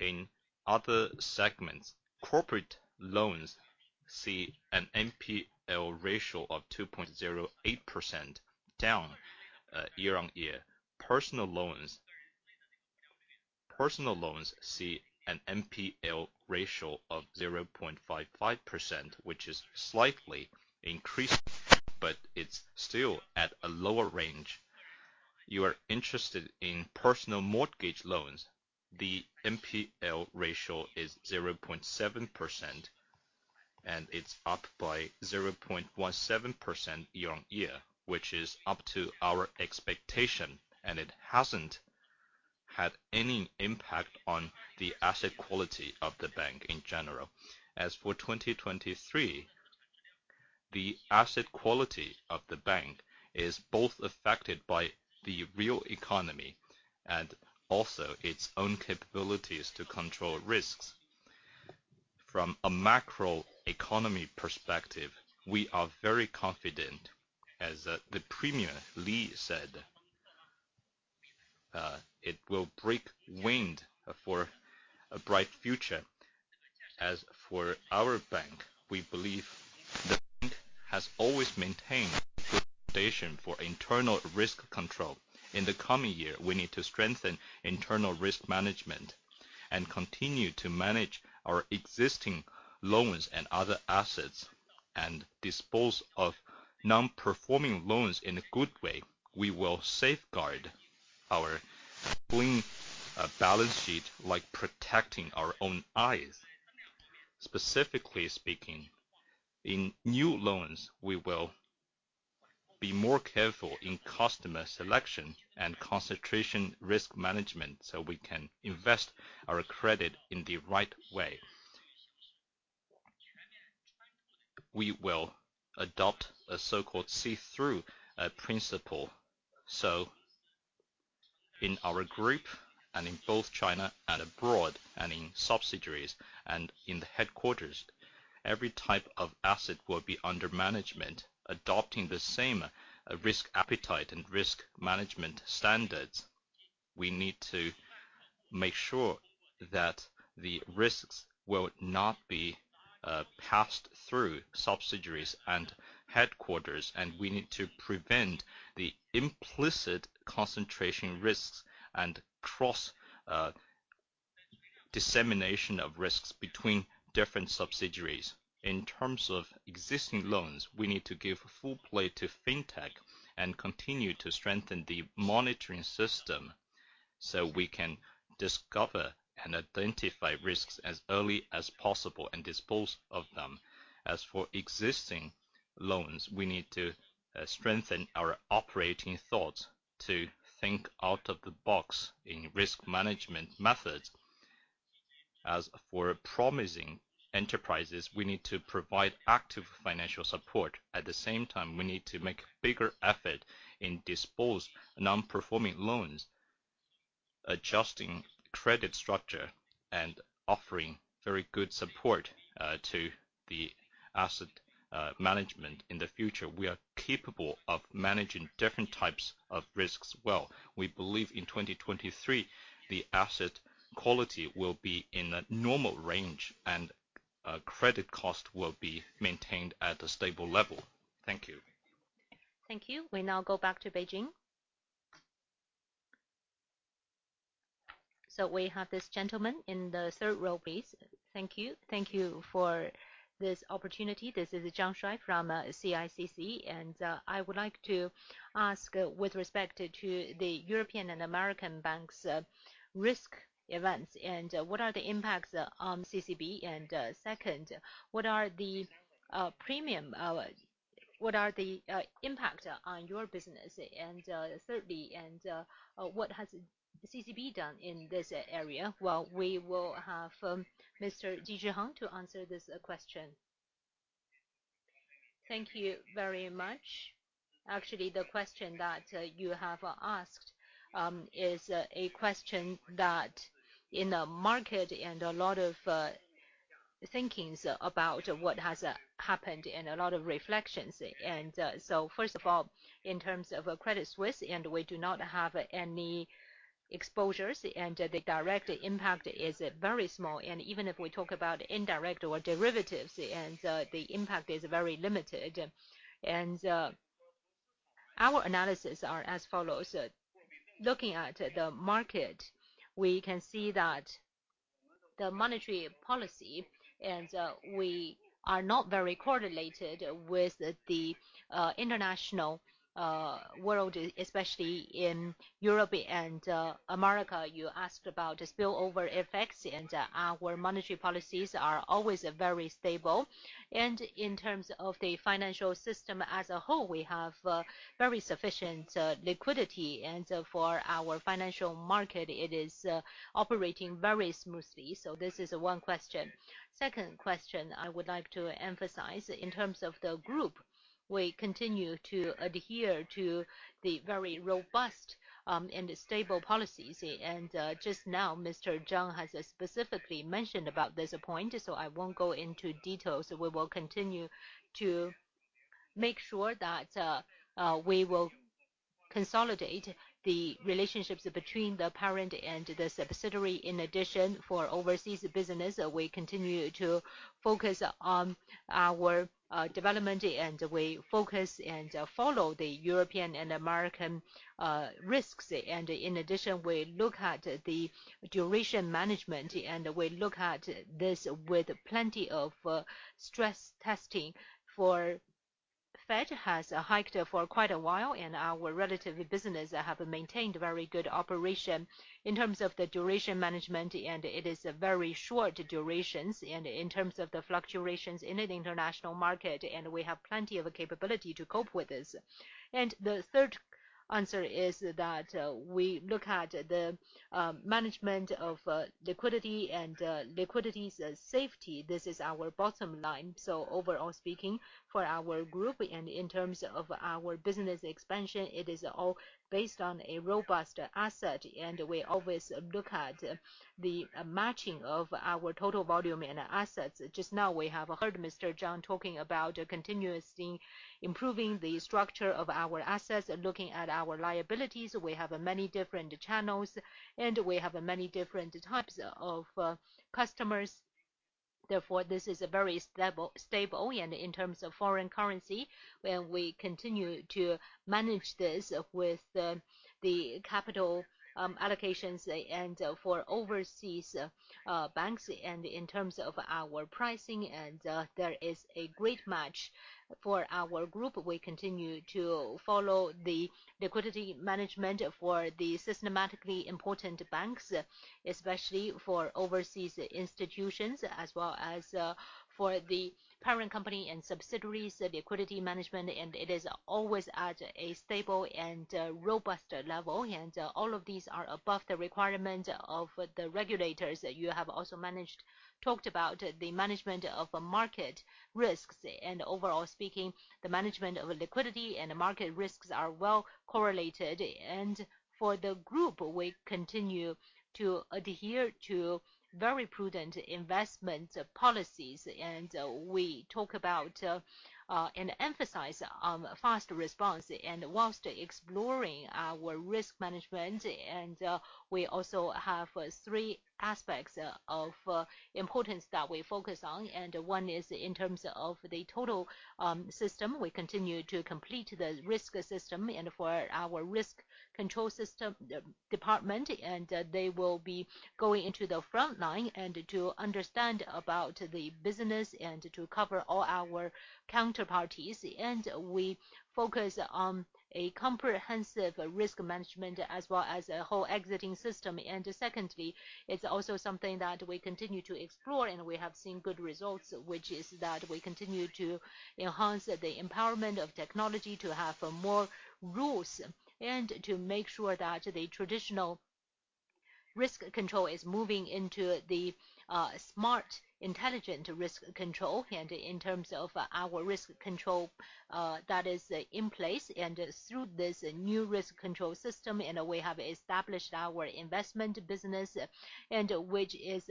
[SPEAKER 2] In other segments, corporate loans see an NPL ratio of 2.08% down year-over-year. Personal loans see an NPL ratio of 0.55%, which is slightly increased, but it's still at a lower range. You are interested in personal mortgage loans. The NPL ratio is 0.7% and it's up by 0.17% year-over-year, which is up to our expectation, and it hasn't had any impact on the asset quality of the bank in general. As for 2023, the asset quality of the bank is both affected by the real economy and also its own capabilities to control risks. From a macro economy perspective, we are very confident. As the Premier Li said, it will break wind for a bright future. As for our bank, we believe the bank has always maintained good foundation for internal risk control. In the coming year, we need to strengthen internal risk management and continue to manage our existing loans and other assets and dispose of non-performing loans in a good way. We will safeguard our clean balance sheet like protecting our own eyes. Specifically speaking, in new loans, we will be more careful in customer selection and concentration risk management, so we can invest our credit in the right way. We will adopt a so-called see-through principle. In our group and in both China and abroad, and in subsidiaries and in the headquarters, every type of asset will be under management, adopting the same risk appetite and risk management standards. We need to make sure that the risks will not be passed through subsidiaries and headquarters, and we need to prevent the implicit concentration risks and cross dissemination of risks between different subsidiaries. In terms of existing loans, we need to give full play to Fintech and continue to strengthen the monitoring system, so we can discover and identify risks as early as possible and dispose of them. As for existing loans, we need to strengthen our operating thoughts to think out of the box in risk management methods. As for promising enterprises, we need to provide active financial support. At the same time, we need to make bigger effort in dispose non-performing loans, adjusting credit structure and offering very good support to the asset management in the future. We are capable of managing different types of risks well. We believe in 2023, the asset quality will be in a normal range and credit cost will be maintained at a stable level. Thank you.
[SPEAKER 4] Thank you. We now go back to Beijing. We have this gentleman in the third row, please.
[SPEAKER 8] Thank you. Thank you for this opportunity. This is Zhang Shuaishuai from CICC. I would like to ask with respect to the European and American banks' risk events, what are the impacts on CCB? Second, what are the impact on your business? Thirdly, what has CCB done in this area? Well, we will have Mr. Ji Zhihong to answer this question.
[SPEAKER 9] Thank you very much. Actually, the question that you have asked is a question that in the market and a lot of thinkings about what has happened and a lot of reflections. First of all, in terms of Credit Suisse, we do not have any exposures, the direct impact is very small. Even if we talk about indirect or derivatives, the impact is very limited. Our analysis are as follows. Looking at the market, we can see that the monetary policy, we are not very correlated with the international world, especially in Europe and America. You asked about the spillover effects, our monetary policies are always very stable. In terms of the financial system as a whole, we have very sufficient liquidity. For our financial market, it is operating very smoothly. This is one question. Second question I would like to emphasize, in terms of the group, we continue to adhere to the very robust and stable policies. Just now, Mr. Zhang has specifically mentioned about this point, I won't go into details. We will continue to make sure that we will consolidate the relationships between the parent and the subsidiary. For overseas business, we continue to focus on our development, and we focus and follow the European and American risks. We look at the duration management, and we look at this with plenty of stress testing. Fed has hiked for quite a while, and our relatively business have maintained very good operation in terms of the duration management, and it is very short durations. In terms of the fluctuations in an international market, we have plenty of capability to cope with this. The third answer is that we look at the management of liquidity and liquidity safety. This is our bottom line. Overall speaking, for our group and in terms of our business expansion, it is all based on a robust asset, and we always look at the matching of our total volume and assets. Just now we have heard Mr. Zhang talking about continuously improving the structure of our assets. Looking at our liabilities, we have many different channels, and we have many different types of customers. Therefore, this is very stable. In terms of foreign currency, where we continue to manage this with the capital allocations and for overseas banks. In terms of our pricing, and there is a great match for our group. We continue to follow the liquidity management for the systematically important banks, especially for overseas institutions, as well as for the parent company and subsidiaries liquidity management. It is always at a stable and robust level. All of these are above the requirement of the regulators. You have also talked about the management of market risks. Overall speaking, the management of liquidity and market risks are well correlated. For the group, we continue to adhere to very prudent investment policies, and we talk about, and emphasize on fast response. Whilst exploring our risk management, and, we also have three aspects of importance that we focus on. One is in terms of the total system. We continue to complete the risk system and for our risk control system department, and they will be going into the front line and to understand about the business and to cover all our counterparties. We focus on a comprehensive risk management as well as a whole exiting system. Secondly, it's also something that we continue to explore, and we have seen good results, which is that we continue to enhance the empowerment of technology to have more rules and to make sure that the traditional risk control is moving into the smart, intelligent risk control. In terms of our risk control, that is in place. Through this new risk control system, and we have established our investment business, and which is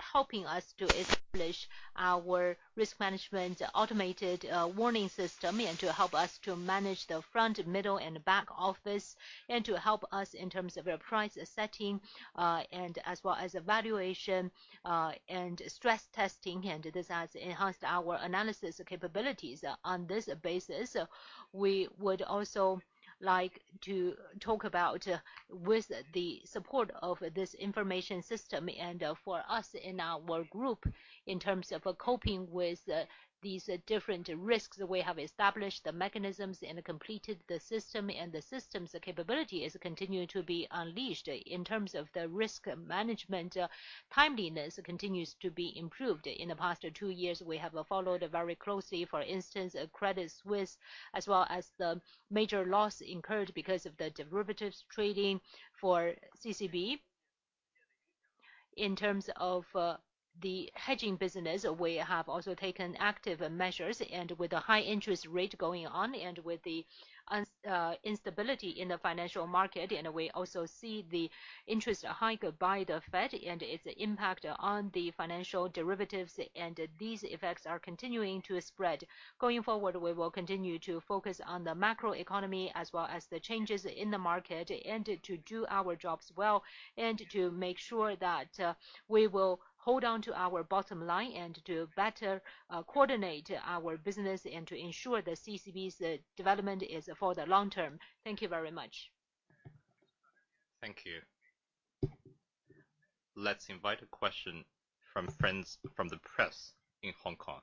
[SPEAKER 9] helping us to establish our risk management automated warning system, and to help us to manage the front, middle, and back office, and to help us in terms of our price setting, as well as evaluation, and stress testing. This has enhanced our analysis capabilities. On this basis, we would also like to talk about with the support of this information system and for us in our group, in terms of coping with these different risks, we have established the mechanisms and completed the system, and the system's capability is continuing to be unleashed. In terms of the risk management, timeliness continues to be improved. In the past two years, we have followed very closely, for instance, Credit Suisse, as well as the major loss incurred because of the derivatives trading for CCB. In terms of the hedging business, we have also taken active measures. With the high interest rate going on, with the instability in the financial market, we also see the interest hike by the Fed and its impact on the financial derivatives, and these effects are continuing to spread. Going forward, we will continue to focus on the macroeconomy as well as the changes in the market, and to do our jobs well, and to make sure that we will hold on to our bottom line and to better coordinate our business, and to ensure that CCB's development is for the long term.
[SPEAKER 8] Thank you very much.
[SPEAKER 1] Thank you. Let's invite a question from friends from the press in Hong Kong.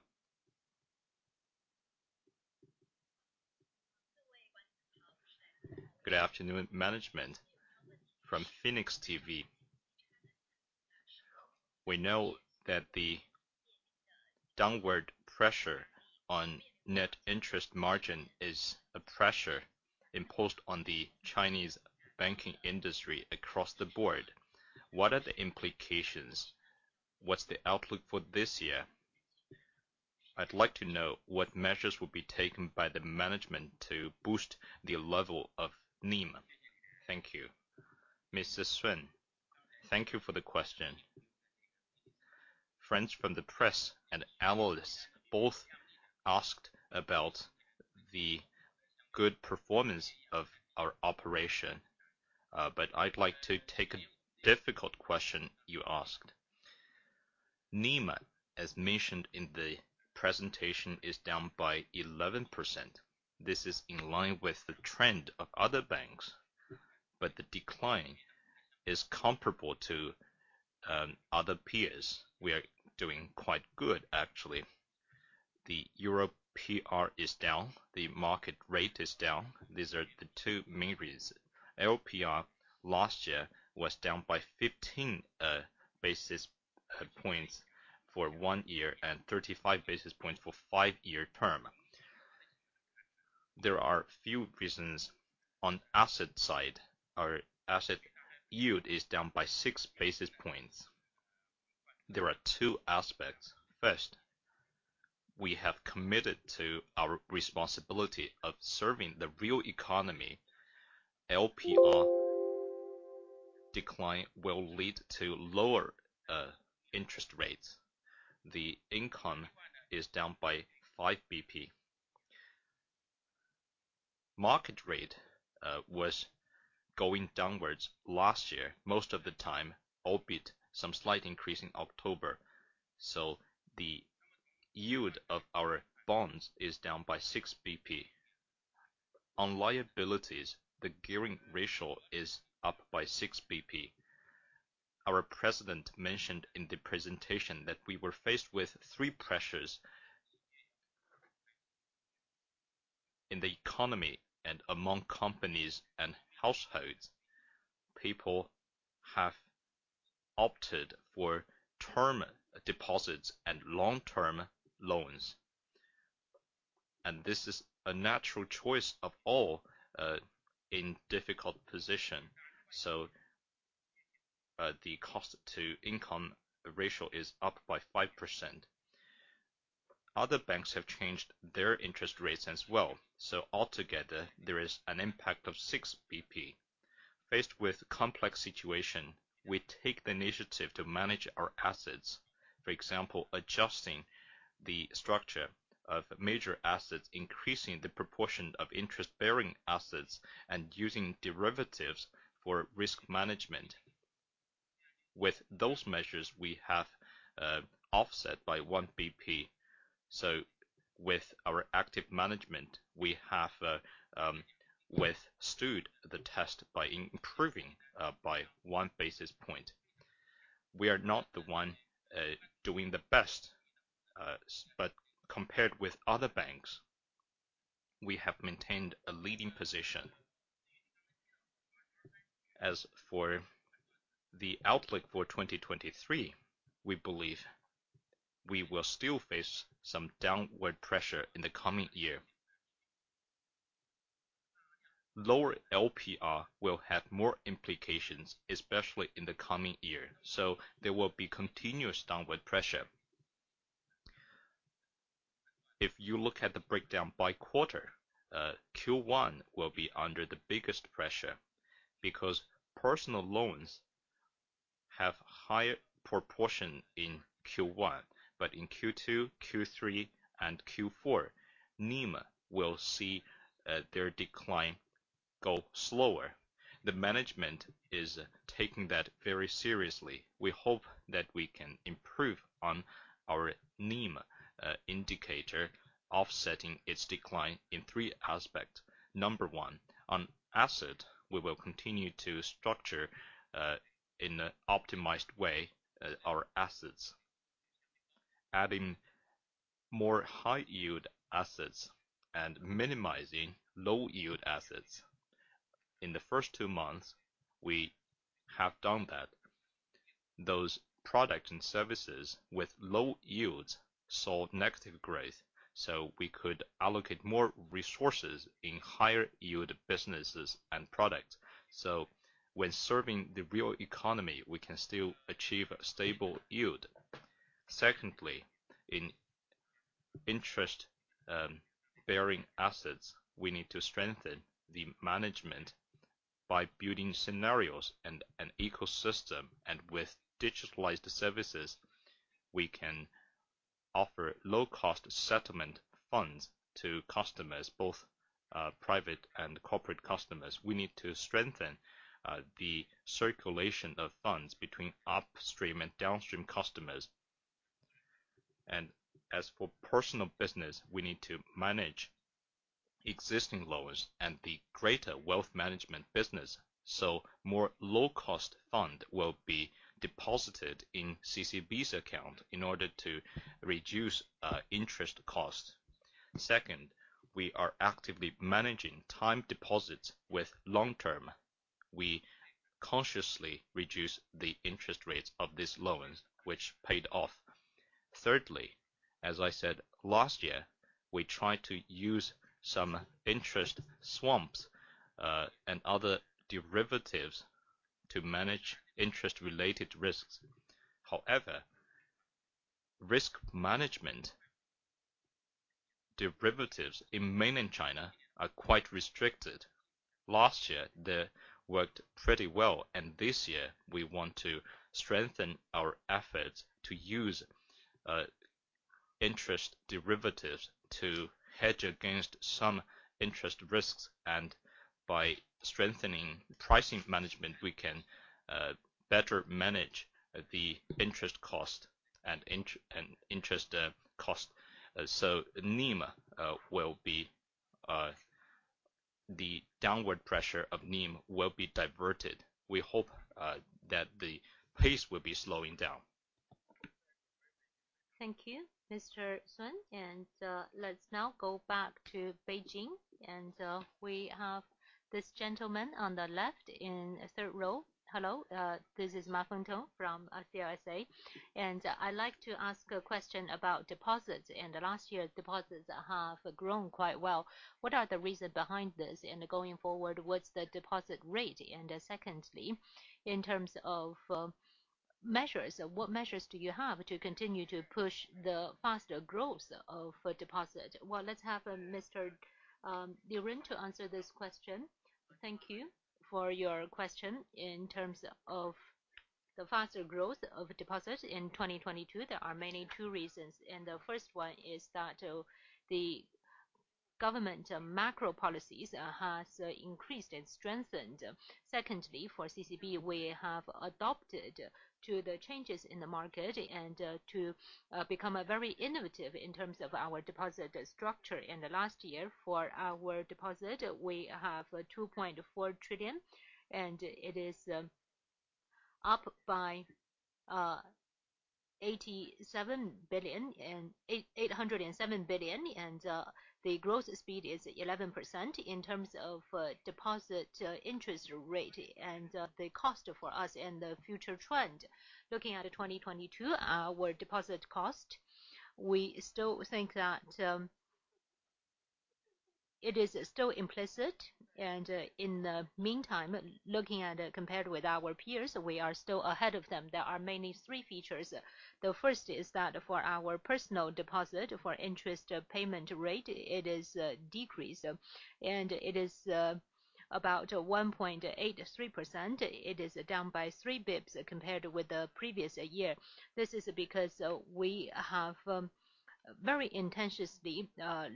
[SPEAKER 10] Good afternoon, management. From Phoenix Television. We know that the downward pressure on net interest margin is a pressure imposed on the Chinese banking industry across the board. What are the implications? What's the outlook for this year? I'd like to know what measures will be taken by the management to boost the level of NIM. Thank you.
[SPEAKER 2] Mr. Sheng, thank you for the question. Friends from the press and analysts both asked about the good performance of our operation, but I'd like to take a difficult question you asked. NIM, as mentioned in the presentation, is down by 11%. This is in line with the trend of other banks, but the decline is comparable to other peers. We are doing quite good, actually. The LPR is down, the market rate is down. These are the two main reasons. LPR last year was down by 15 basis points for one year and 35 basis points for five-year term. There are a few reasons. On asset side, our asset yield is down by 6 basis points. There are two aspects. First, we have committed to our responsibility of serving the real economy. LPR decline will lead to lower interest rates. The income is down by 5 basis points. Market rate was going downwards last year, most of the time, albeit some slight increase in October. The yield of our bonds is down by 6 basis points. On liabilities, the gearing ratio is up by 6 basis points. Our president mentioned in the presentation that we were faced with three pressures. In the economy and among companies and households, people have opted for term deposits and long-term loans. This is a natural choice of all in difficult position. The cost-to-income ratio is up by 5%. Other banks have changed their interest rates as well. Altogether, there is an impact of 6 basis points. Faced with complex situation, we take the initiative to manage our assets. For example, adjusting the structure of major assets, increasing the proportion of interest-bearing assets, and using derivatives for risk management. With those measures, we have offset by 1 basis point. With our active management, we have withstood the test by improving by 1 basis point. We are not the one doing the best, but compared with other banks, we have maintained a leading position. As for the outlook for 2023, we believe we will still face some downward pressure in the coming year. Lower LPR will have more implications, especially in the coming year. There will be continuous downward pressure. If you look at the breakdown by quarter, Q1 will be under the biggest pressure because personal loans have higher proportion in Q1, but in Q2, Q3, and Q4, NIM will see their decline go slower. The management is taking that very seriously. We hope that we can improve on our NIM indicator offsetting its decline in three aspects. Number one, on asset, we will continue to structure in an optimized way our assets, adding more high-yield assets and minimizing low-yield assets. In the first two months, we have done that. Those products and services with low yields saw negative growth, so we could allocate more resources in higher yield businesses and products. When serving the real economy, we can still achieve a stable yield. Secondly, in interest bearing assets, we need to strengthen the management by building scenarios and an ecosystem. With digitalized services, we can offer low-cost settlement funds to customers, both private and corporate customers. We need to strengthen the circulation of funds between upstream and downstream customers. As for personal business, we need to manage existing loans and the greater wealth management business, so more low-cost fund will be deposited in CCB's account in order to reduce interest costs. Second, we are actively managing time deposits with long-term. We consciously reduce the interest rates of these loans, which paid off. Thirdly, as I said last year, we try to use some interest swaps and other derivatives to manage interest-related risks. However, risk management derivatives in mainland China are quite restricted. Last year, they worked pretty well. This year we want to strengthen our efforts to use interest derivatives to hedge against some interest risks. By strengthening pricing management, we can better manage the interest cost and interest cost. NIM will be... The downward pressure of NIM will be diverted. We hope that the pace will be slowing down.
[SPEAKER 4] Thank you, Mr. Sheng. Let's now go back to Beijing, we have this gentleman on the left in third row.
[SPEAKER 11] Hello, this is Ma Fengtao from China Renaissance, and I'd like to ask a question about deposits. In the last year, deposits have grown quite well. What are the reason behind this? Going forward, what's the deposit rate? Secondly, in terms of measures, what measures do you have to continue to push the faster growth of deposit? Let's have Mr. Li Yun to answer this question.
[SPEAKER 12] Thank you for your question. In terms of the faster growth of deposit in 2022, there are mainly two reasons. The first one is that the government macro policies has increased and strengthened. Secondly, for CCB, we have adapted to the changes in the market to become very innovative in terms of our deposit structure. In the last year for our deposit, we have 2.4 trillion, it is up by RMB 807 billion. The growth speed is 11% in terms of deposit interest rate, the cost for us and the future trend. Looking at 2022, our deposit cost, we still think that it is still implicit. In the meantime, compared with our peers, we are still ahead of them. There are mainly three features. The first is that for our personal deposit, for interest payment rate, it is decreased, and it is about 1.83%. It is down by 3 basis points compared with the previous year. This is because we have very intentionally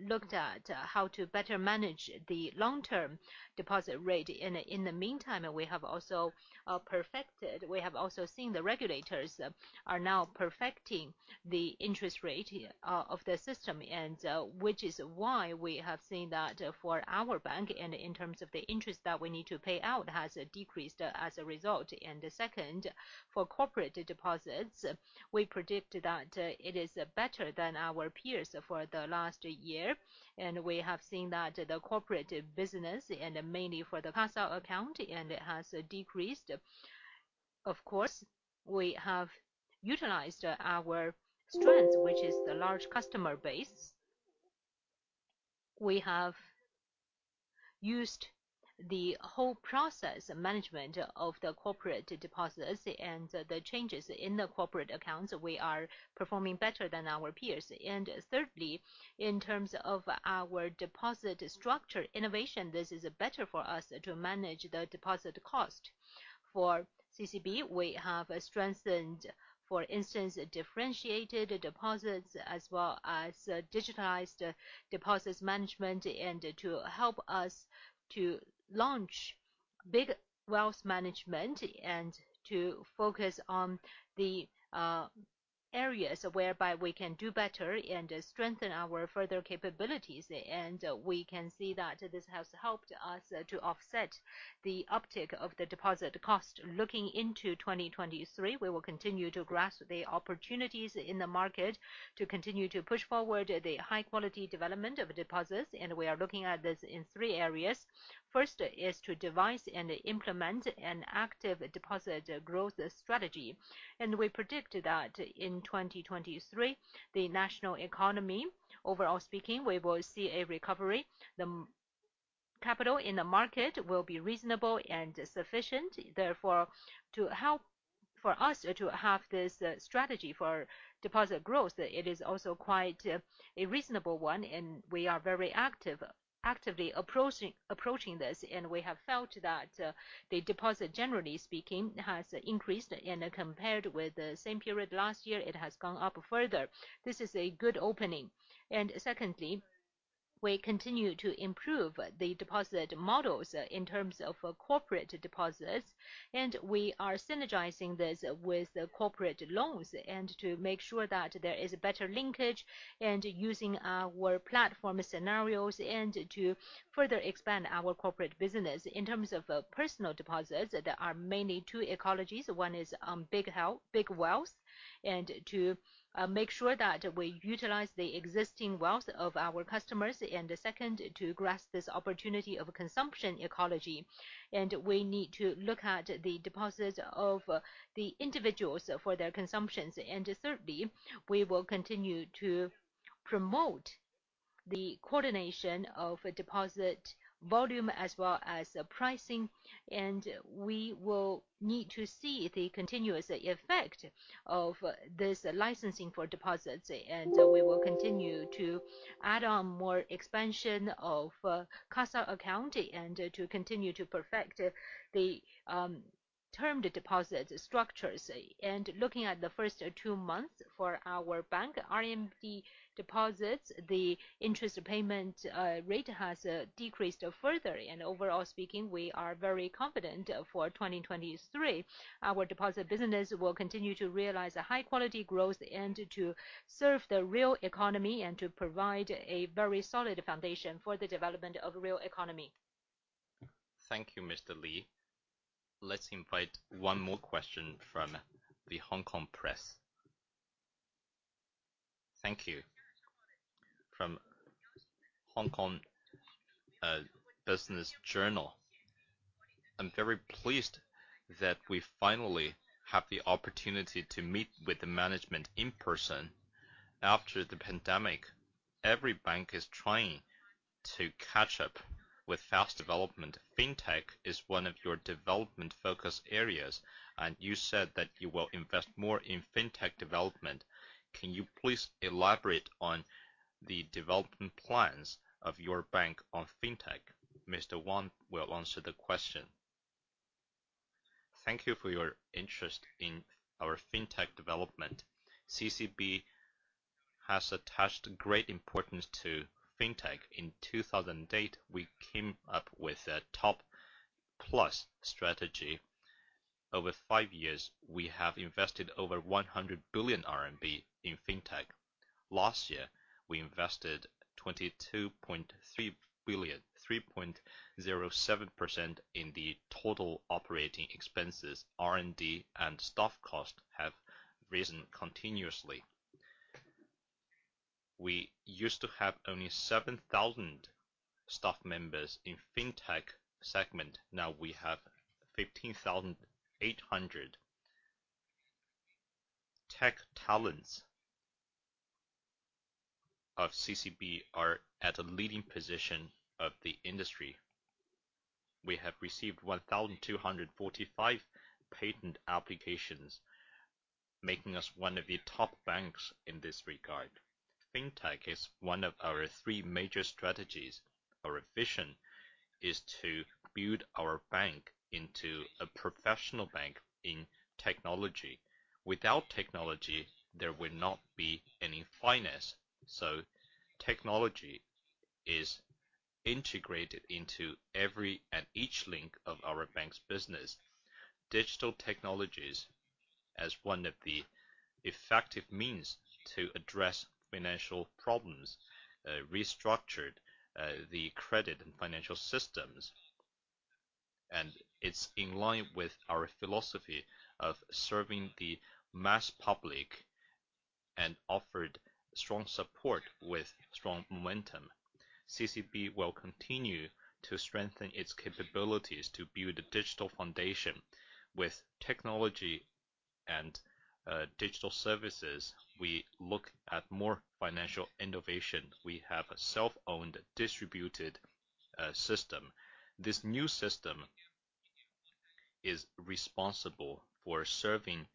[SPEAKER 12] looked at how to better manage the long-term deposit rate. In the meantime, we have also seen the regulators are now perfecting the interest rate of the system and which is why we have seen that for our bank and in terms of the interest that we need to pay out has decreased as a result. Second, for corporate deposits, we predict that it is better than our peers for the last year. We have seen that the corporate business and mainly for the pass account, and it has decreased. Of course, we have utilized our strength, which is the large customer base. We have used the whole process management of the corporate deposits and the changes in the corporate accounts. We are performing better than our peers. Thirdly, in terms of our deposit structure innovation, this is better for us to manage the deposit cost. For CCB, we have strengthened, for instance, differentiated deposits as well as digitalized deposits management and to help us to launch big wealth management and to focus on the areas whereby we can do better and strengthen our further capabilities. We can see that this has helped us to offset the uptick of the deposit cost. Looking into 2023, we will continue to grasp the opportunities in the market to continue to push forward the high-quality development of deposits, and we are looking at this in three areas. First is to devise and implement an active deposit growth strategy. We predict that in 2023, the national economy, overall speaking, we will see a recovery. The capital in the market will be reasonable and sufficient, therefore, for us to have this strategy for deposit growth, it is also quite a reasonable one, and we are very actively approaching this. We have felt that the deposit, generally speaking, has increased, and compared with the same period last year, it has gone up further. This is a good opening. Secondly, we continue to improve the deposit models in terms of corporate deposits, and we are synergizing this with corporate loans and to make sure that there is a better linkage and using our platform scenarios and to further expand our corporate business. In terms of personal deposits, there are mainly two ecologies. One is big wealth, to make sure that we utilize the existing wealth of our customers. The second, to grasp this opportunity of consumption ecology. We need to look at the deposits of the individuals for their consumptions. Thirdly, we will continue to promote the coordination of deposit volume as well as pricing, we will need to see the continuous effect of this licensing for deposits. We will continue to add on more expansion of CASA account and to continue to perfect the term deposit structures. Looking at the first two months for our bank, RMB deposits, the interest payment rate has decreased further. Overall speaking, we are very confident for 2023. Our deposit business will continue to realize a high-quality growth and to serve the real economy and to provide a very solid foundation for the development of real economy.
[SPEAKER 1] Thank you, Mr. Li. Let's invite one more question from the Hong Kong press.
[SPEAKER 13] Thank you. From Hong Kong Business Journal. I'm very pleased that we finally have the opportunity to meet with the management in person. After the pandemic, every bank is trying to catch up with fast development. Fintech is one of your development focus areas, and you said that you will invest more in Fintech development. Can you please elaborate on the development plans of your bank on Fintech?
[SPEAKER 1] Mr. Wang will answer the question.
[SPEAKER 14] Thank you for your interest in our fintech development. CCB has attached great importance to Fintech. In 2008, we came up with a TOP+ strategy. Over five years, we have invested over 100 billion RMB in Fintech. Last year, we invested 22.3 billion, 3.07% in the total operating expenses. R&D and staff costs have risen continuously. We used to have only 7,000 staff members in Fintech segment. Now we have 15,800. Tech talents of CCB are at a leading position of the industry. We have received 1,245 patent applications, making us one of the top banks in this regard. Fintech is one of our three major strategies. Our vision is to build our bank into a professional bank in technology. Without technology, there would not be any finance. Technology is integrated into every and each link of our bank's business. Digital technologies, as one of the effective means to address financial problems, restructured the credit and financial systems, and it's in line with our philosophy of serving the mass public and offered strong support with strong momentum. CCB will continue to strengthen its capabilities to build a digital foundation. Digital services, we look at more financial innovation. We have a self-owned distributed system. This new system is responsible for serving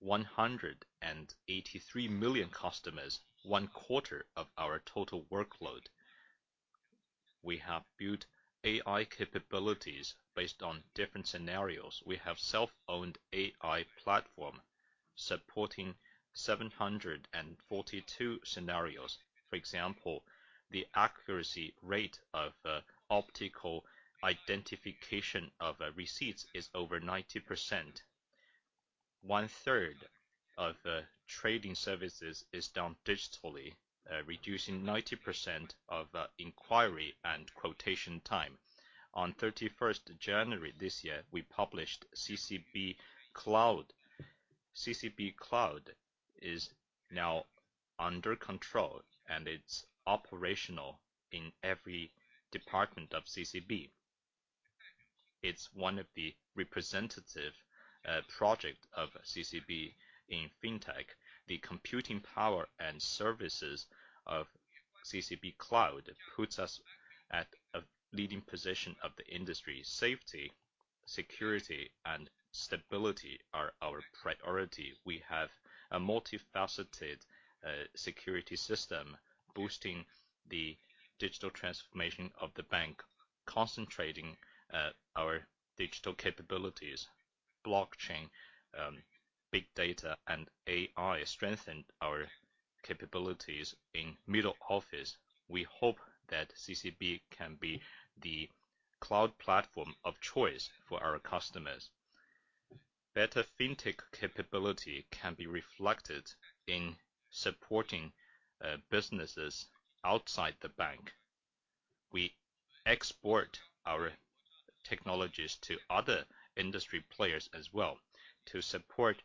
[SPEAKER 14] 183 million customers, one quarter of our total workload. We have built AI capabilities based on different scenarios. We have self-owned AI platform supporting 742 scenarios. For example, the accuracy rate of optical identification of receipts is over 90%. 1/3 of trading services is done digitally, reducing 90% of inquiry and quotation time. On 31st January this year, we published CCB Cloud. CCB Cloud is now under control, and it's operational in every department of CCB. It's one of the representative project of CCB in Fintech. The computing power and services of CCB Cloud puts us at a leading position of the industry. Safety, security, and stability are our priority. We have a multifaceted security system boosting the digital transformation of the bank, concentrating our digital capabilities. Blockchain, big data, and AI strengthen our capabilities in middle office. We hope that CCB can be the cloud platform of choice for our customers. Better Fintech capability can be reflected in supporting businesses outside the bank. We export our technologies to other industry players as well to support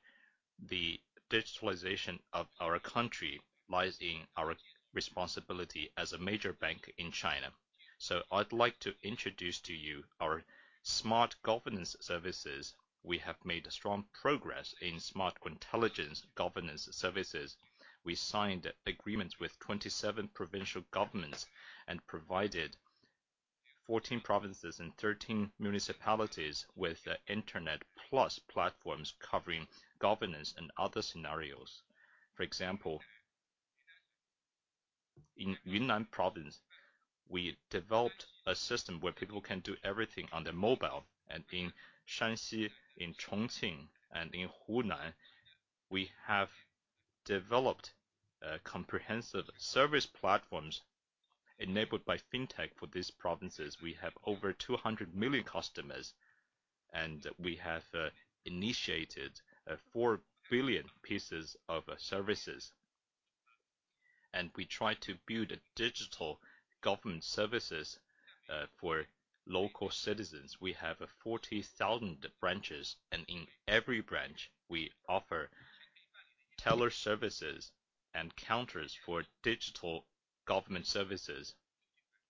[SPEAKER 14] the digitalization of our country, lies in our responsibility as a major bank in China. I'd like to introduce to you our smart governance services. We have made strong progress in smart intelligence governance services. We signed agreements with 27 provincial governments and provided 14 provinces and 13 municipalities with internet plus platforms covering governance and other scenarios. For example, in Yunnan Province, we developed a system where people can do everything on their mobile. In Shanxi, in Chongqing, and in Hunan, we have developed comprehensive service platforms enabled by Fintech for these provinces. We have over 200 million customers, and we have initiated 4 billion pieces of services. We try to build digital government services for local citizens. We have 40,000 branches, and in every branch, we offer teller services and counters for digital government services.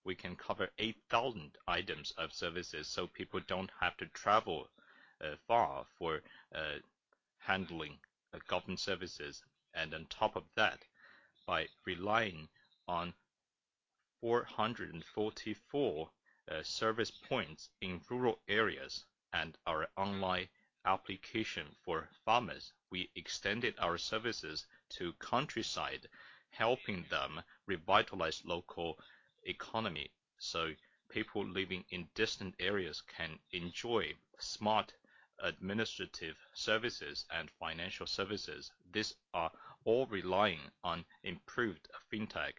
[SPEAKER 14] We can cover 8,000 items of services, so people don't have to travel far for handling government services. On top of that, by relying on 444 service points in rural areas and our online application for farmers, we extended our services to countryside, helping them revitalize local economy, so people living in distant areas can enjoy smart administrative services and financial services. These are all relying on improved Fintech.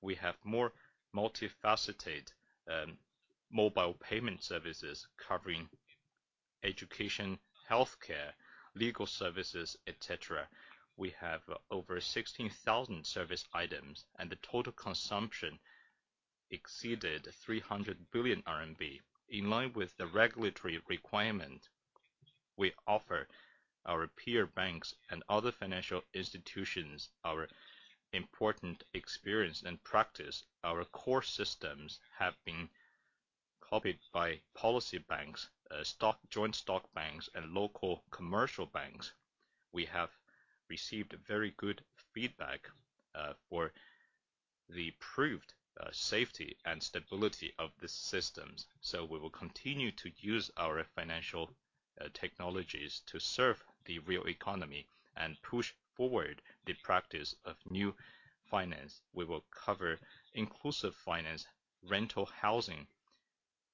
[SPEAKER 14] We have more multifaceted mobile payment services covering education, healthcare, legal services, et cetera. We have over 16,000 service items, and the total consumption exceeded 300 billion RMB. In line with the regulatory requirement, we offer our peer banks and other financial institutions our important experience and practice. Our core systems have been copied by policy banks, stock, joint stock banks, and local commercial banks. We have received very good feedback for the improved safety and stability of the systems. We will continue to use our financial technologies to serve the real economy and push forward the practice of new finance. We will cover inclusive finance, rental housing,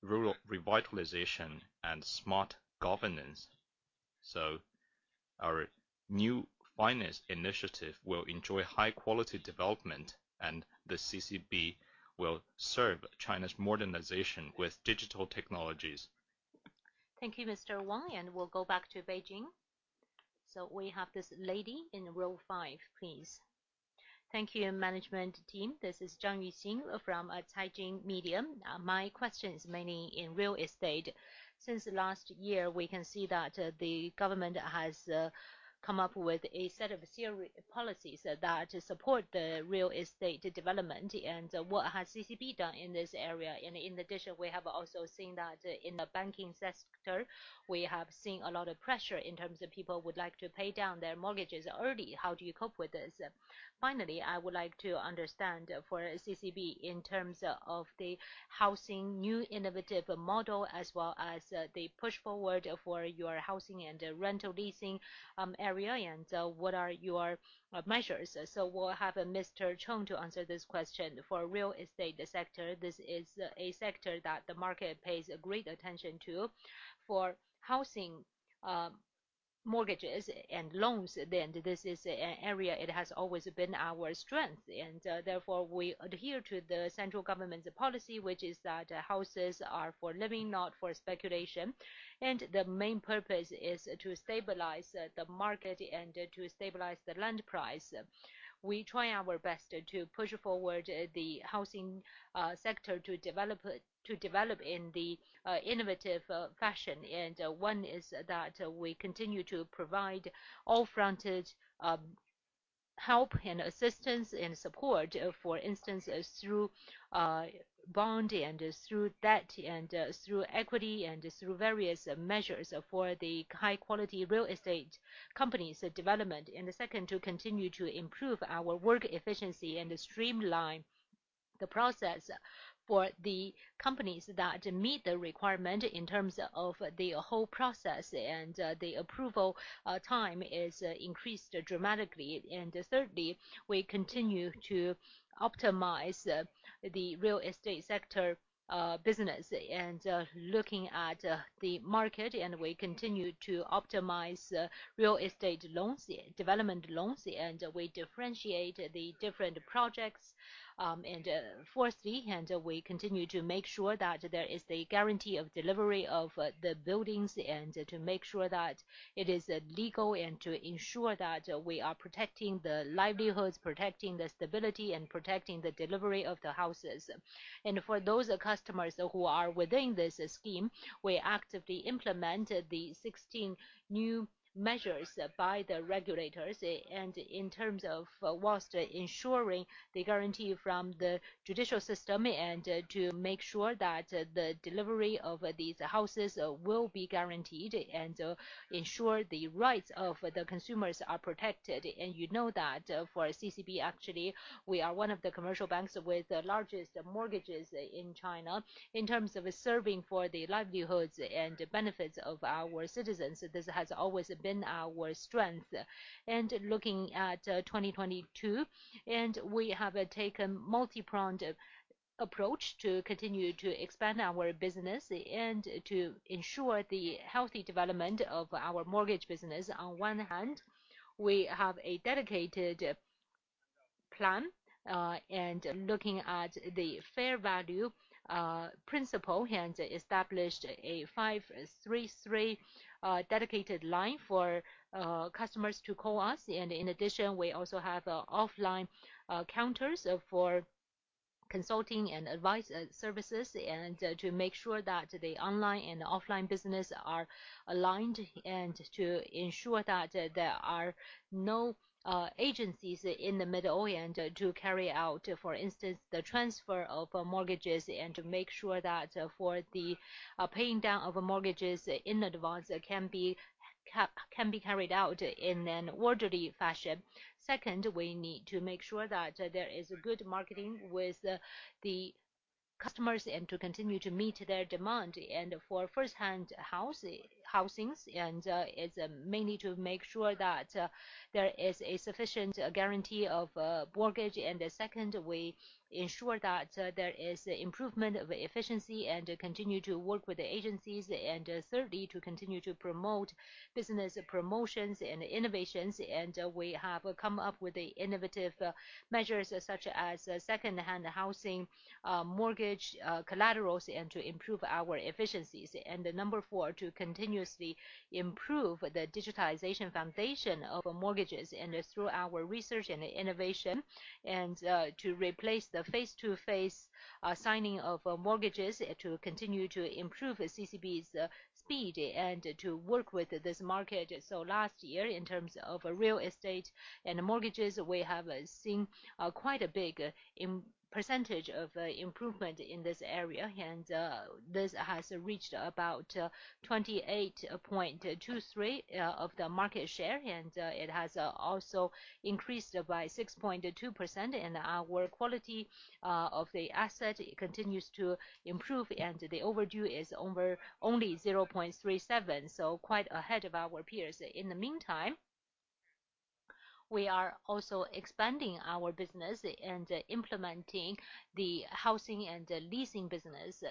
[SPEAKER 14] rural revitalization, and smart governance. Our new finance initiative will enjoy high-quality development, and the CCB will serve China's modernization with digital technologies.
[SPEAKER 4] Thank you, Mr. Wang. We'll go back to Beijing. We have this lady in row five, please.
[SPEAKER 15] Thank you, management team. This is Zhang Yuxing from Caijing Media. My question is mainly in real estate. Since last year, we can see that the government has. Come up with a set of series policies that support the real estate development. What has CCB done in this area? In addition, we have also seen that, in the banking sector, we have seen a lot of pressure in terms of people would like to pay down their mortgages early. How do you cope with this? Finally, I would like to understand for CCB in terms of the housing new innovative model, as well as the push forward for your housing and rental leasing area, and what are your measures? We'll have Mr. Cheng to answer this question.
[SPEAKER 16] For real estate sector, this is a sector that the market pays great attention to. For housing, mortgages and loans, then this is an area it has always been our strength, therefore, we adhere to the central government's policy, which is that houses are for living, not for speculation. The main purpose is to stabilize the market and to stabilize the land price. We try our best to push forward the housing sector to develop in the innovative fashion. One is that we continue to provide all-fronted help and assistance and support, for instance, through bond and through debt and through equity and through various measures for the high-quality real estate companies development. The second, to continue to improve our work efficiency and streamline the process for the companies that meet the requirement in terms of the whole process, the approval time is increased dramatically. Thirdly, we continue to optimize the real estate sector business. Looking at the market, we continue to optimize real estate loans, development loans, and we differentiate the different projects. Fourthly, we continue to make sure that there is the guarantee of delivery of the buildings and to make sure that it is legal, and to ensure that we are protecting the livelihoods, protecting the stability, and protecting the delivery of the houses. For those customers who are within this scheme, we actively implement the 16 new measures by the regulators and in terms of whilst ensuring the guarantee from the judicial system and to make sure that the delivery of these houses will be guaranteed and ensure the rights of the consumers are protected. You know that for CCB, actually, we are one of the commercial banks with the largest mortgages in China. In terms of serving for the livelihoods and benefits of our citizens, this has always been our strength. Looking at 2022, and we have taken multipronged approach to continue to expand our business and to ensure the healthy development of our mortgage business. On one hand, we have a dedicated plan, and looking at the fair value principle, and established a five-three-three dedicated line for customers to call us. In addition, we also have offline counters for consulting and advice services and to make sure that the online and offline business are aligned, and to ensure that there are no agencies in the middle and to carry out, for instance, the transfer of mortgages and to make sure that for the paying down of mortgages in advance can be carried out in an orderly fashion. Second, we need to make sure that there is good marketing with the customers and to continue to meet their demand. For first-hand housings, it's mainly to make sure that there is a sufficient guarantee of mortgage. Second, we ensure that there is improvement of efficiency and continue to work with the agencies. Thirdly, to continue to promote business promotions and innovations. We have come up with the innovative measures such as second-hand housing mortgage collaterals to improve our efficiencies. Number four, to continuously improve the digitization foundation of mortgages through our research and innovation, to replace the face-to-face signing of mortgages, to continue to improve CCB's speed, to work with this market. Last year, in terms of real estate and mortgages, we have seen quite a big percentage of improvement in this area. This has reached about 28.23% of the market share, it has also increased by 6.2%. Our quality of the asset continues to improve, the overdue is over only 0.37%, quite ahead of our peers. In the meantime, we are also expanding our business and implementing the housing and leasing business.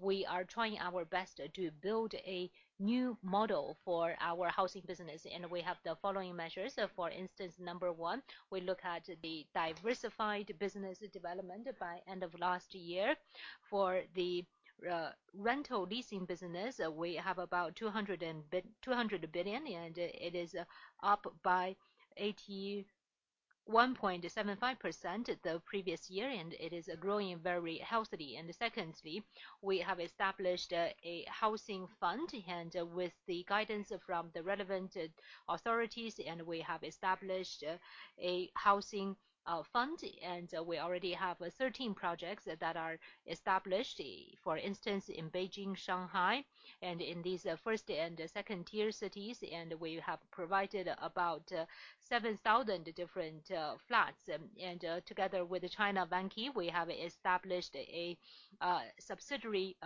[SPEAKER 16] We are trying our best to build a new model for our housing business, and we have the following measures. For instance, number one, we look at the diversified business development. By end of last year, for the re-rental leasing business, we have about 200 billion, and it is up by 1.75% the previous year, and it is growing very healthily. Secondly, we have established a housing fund and with the guidance from the relevant authorities, we have established a housing fund. We already have 13 projects that are established, for instance, in Beijing, Shanghai, and in these first and second-tier cities. We have provided about 7,000 different flats. Together with the Bank of China here, we have established a subsidiary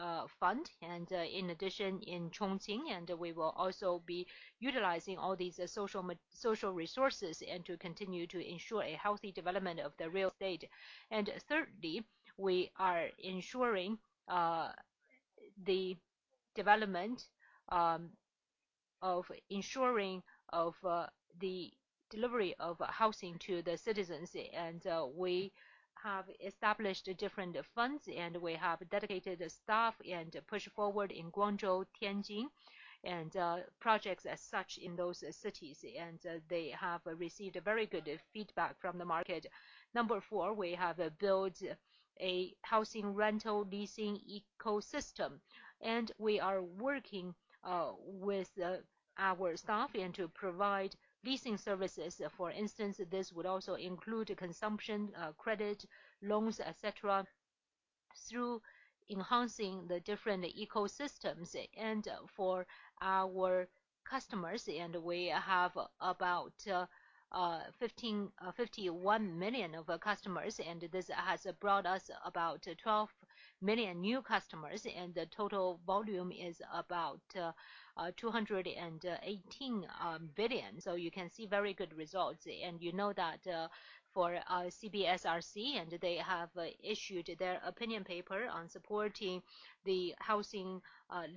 [SPEAKER 16] fund, and in addition, in Chongqing. We will also be utilizing all these social resources and to continue to ensure a healthy development of the real estate. Thirdly, we are ensuring the development of the delivery of housing to the citizens. We have established different funds, and we have dedicated staff and pushed forward in Guangzhou, Tianjin, and projects as such in those cities. They have received very good feedback from the market. Number four, we have built a housing rental leasing ecosystem, and we are working with our staff and to provide leasing services. For instance, this would also include consumption, credit, loans, et cetera, through enhancing the different ecosystems. For our customers, we have about 51 million of customers, and this has brought us about 12 million new customers. The total volume is about 218 billion. You can see very good results. You know that, for CBSRC, they have issued their opinion paper on supporting the housing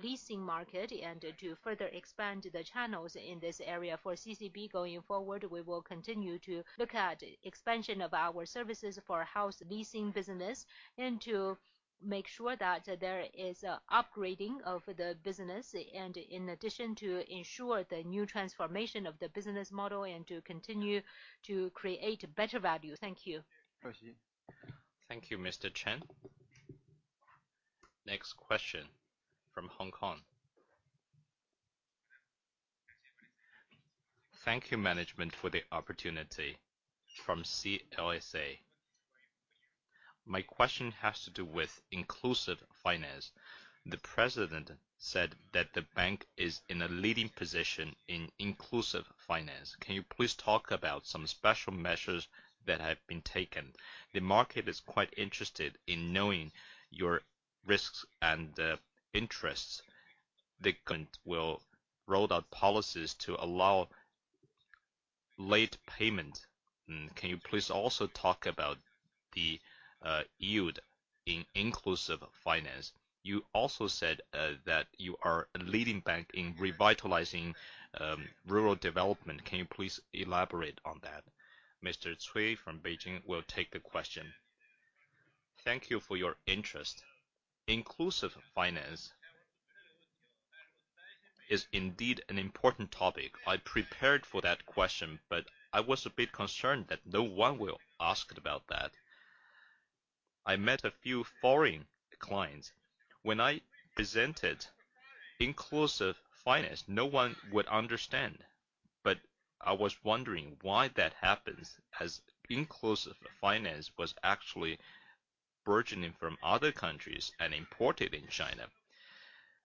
[SPEAKER 16] leasing market and to further expand the channels in this area. For CCB going forward, we will continue to look at expansion of our services for house leasing business and to make sure that there is upgrading of the business and in addition to ensure the new transformation of the business model and to continue to create better value. Thank you.
[SPEAKER 1] Thank you, Mr. Cheng. Next question from Hong Kong.
[SPEAKER 17] Thank you, management, for the opportunity. From CLSA. My question has to do with inclusive finance. The President said that the bank is in a leading position in inclusive finance. Can you please talk about some special measures that have been taken? The market is quite interested in knowing your risks and interests. The government will roll out policies to allow late payment. Can you please also talk about the yield in inclusive finance? You also said that you are a leading bank in revitalizing rural development. Can you please elaborate on that?
[SPEAKER 1] Mr. Cui from Beijing will take the question.
[SPEAKER 6] Thank you for your interest. Inclusive finance is indeed an important topic. I prepared for that question, but I was a bit concerned that no one will ask about that. I met a few foreign clients. When I presented inclusive finance, no one would understand. I was wondering why that happens, as inclusive finance was actually burgeoning from other countries and imported in China.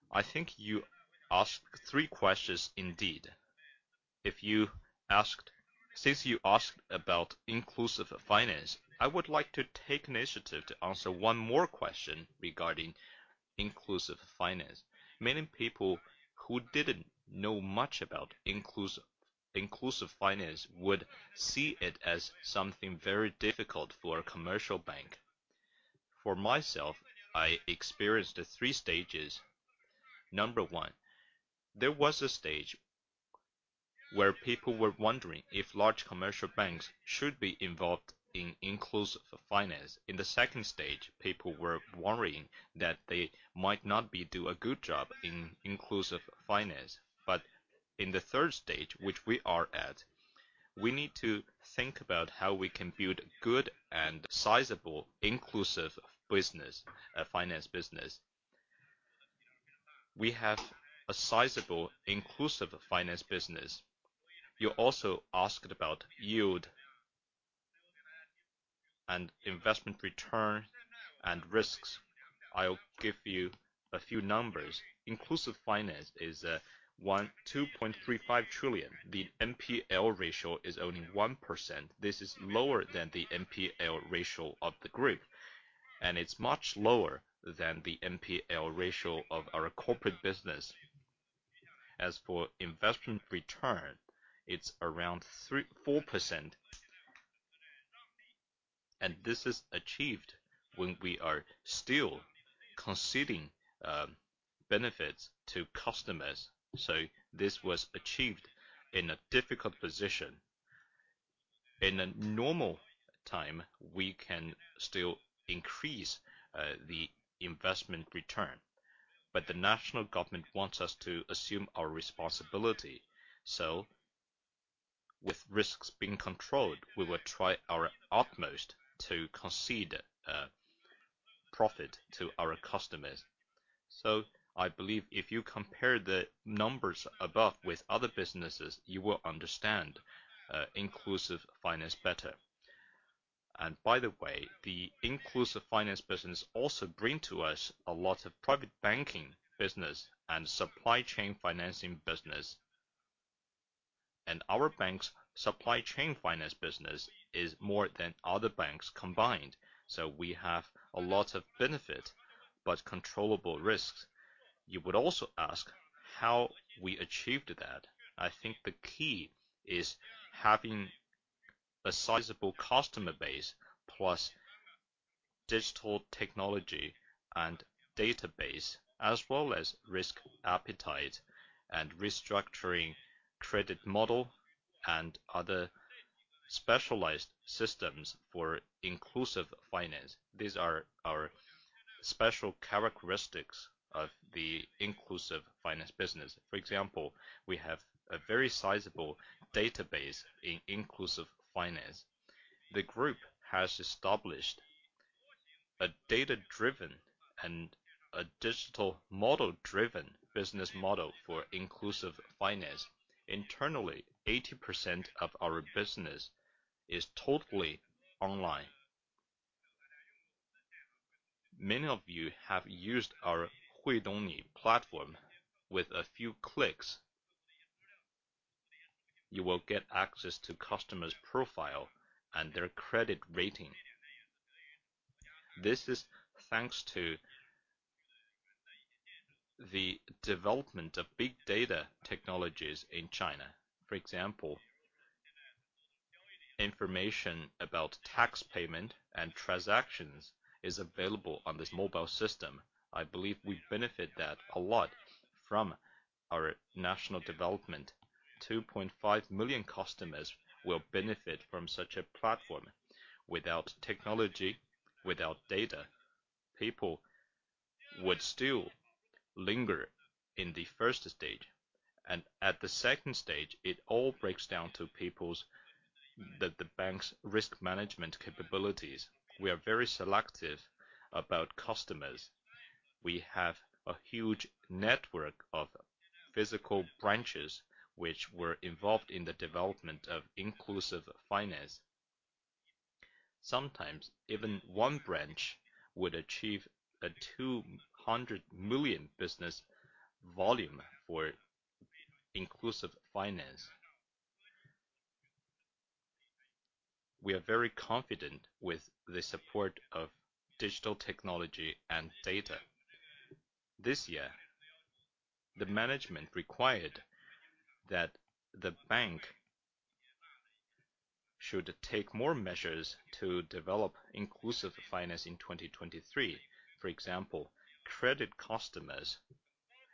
[SPEAKER 6] I think you asked three questions indeed. You asked about inclusive finance, I would like to take initiative to answer one more question regarding inclusive finance. Many people who didn't know much about inclusive finance would see it as something very difficult for a commercial bank. For myself, I experienced three stages. Number one, there was a stage where people were wondering if large commercial banks should be involved in inclusive finance. In the second stage, people were worrying that they might not be do a good job in inclusive finance. But in the third stage, which we are at, we need to think about how we can build good and sizable inclusive business, finance business. We have a sizable inclusive finance business. You also asked about yield and investment return and risks. I'll give you a few numbers. Inclusive finance is 2.35 trillion. The NPL ratio is only 1%. This is lower than the NPL ratio of the group, and it's much lower than the NPL ratio of our corporate business. As for investment return, it's around 3%-4%, and this is achieved when we are still conceding benefits to customers. This was achieved in a difficult position. In a normal time, we can still increase the investment return. The national government wants us to assume our responsibility. With risks being controlled, we will try our utmost to concede profit to our customers. I believe if you compare the numbers above with other businesses, you will understand inclusive finance better. By the way, the inclusive finance business also bring to us a lot of private banking business and supply chain financing business. Our bank's supply chain finance business is more than other banks combined. We have a lot of benefit, but controllable risks. You would also ask how we achieved that. I think the key is having a sizable customer base, plus digital technology and database, as well as risk appetite and restructuring credit model and other specialized systems for inclusive finance. These are our special characteristics of the inclusive finance business. For example, we have a very sizable database in inclusive finance. The group has established a data-driven and a digital model-driven business model for inclusive finance. Internally, 80% of our business is totally online. Many of you have used our Hui Dong Ni platform. With a few clicks, you will get access to customers' profile and their credit rating. This is thanks to the development of big data technologies in China. For example, information about tax payment and transactions is available on this mobile system. I believe we benefit that a lot from our national development. 2.5 million customers will benefit from such a platform. Without technology, without data, people would still linger in the first stage. At the second stage, it all breaks down to the bank's risk management capabilities. We are very selective about customers. We have a huge network of physical branches which were involved in the development of inclusive finance. Sometimes even one branch would achieve a 200 million business volume for inclusive finance. We are very confident with the support of digital technology and data. This year, the management required that the bank should take more measures to develop inclusive finance in 2023. For example, credit customers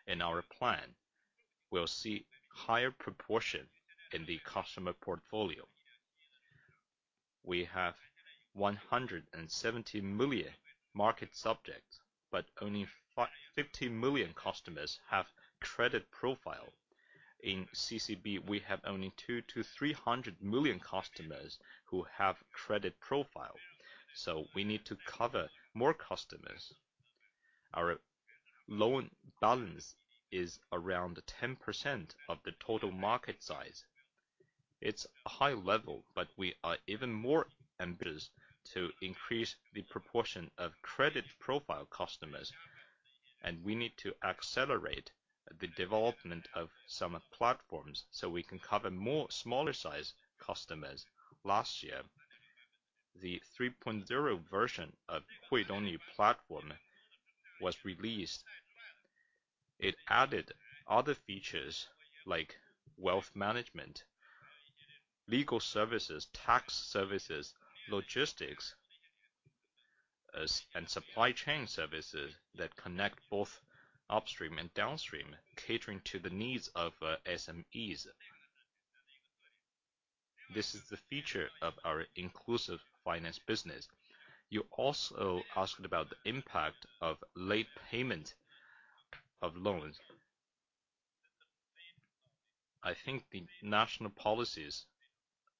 [SPEAKER 6] in our plan will see higher proportion in the customer portfolio. We have 170 million market subjects, but only 50 million customers have credit profile. In CCB, we have only 200 million-300 million customers who have credit profile, so we need to cover more customers. Our loan balance is around 10% of the total market size. We are even more ambitious to increase the proportion of credit profile customers, and we need to accelerate the development of some platforms so we can cover more smaller size customers. Last year, the 3.0 version of Hui Dong Ni platform was released. It added other features like wealth management, legal services, tax services, logistics, and supply chain services that connect both upstream and downstream, catering to the needs of SMEs. This is the feature of our inclusive finance business. You also asked about the impact of late payment of loans. I think the national policies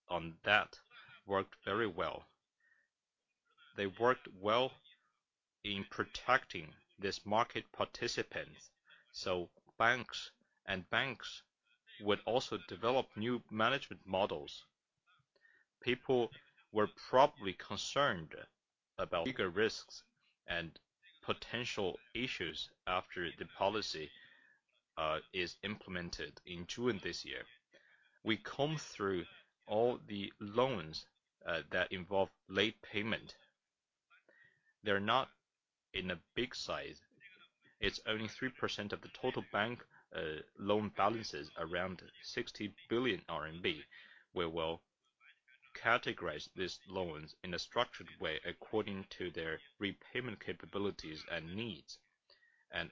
[SPEAKER 6] on that worked very well. They worked well in protecting this market participants, so banks would also develop new management models. People were probably concerned about bigger risks and potential issues after the policy is implemented in June this year. We comb through all the loans that involve late payment. They're not in a big size. It's only 3% of the total bank loan balance is around 60 billion RMB. We will categorize these loans in a structured way according to their repayment capabilities and needs.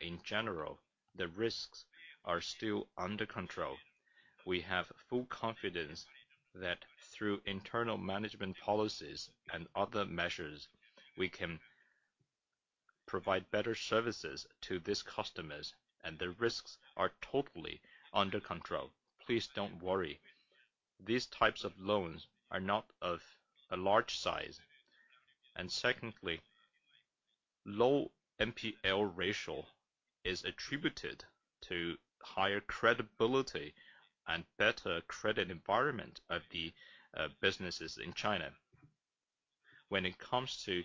[SPEAKER 6] In general, the risks are still under control. We have full confidence that through internal management policies and other measures, we can provide better services to these customers, and the risks are totally under control. Please don't worry. These types of loans are not of a large size. Secondly, low NPL ratio is attributed to higher credibility and better credit environment of the businesses in China. When it comes to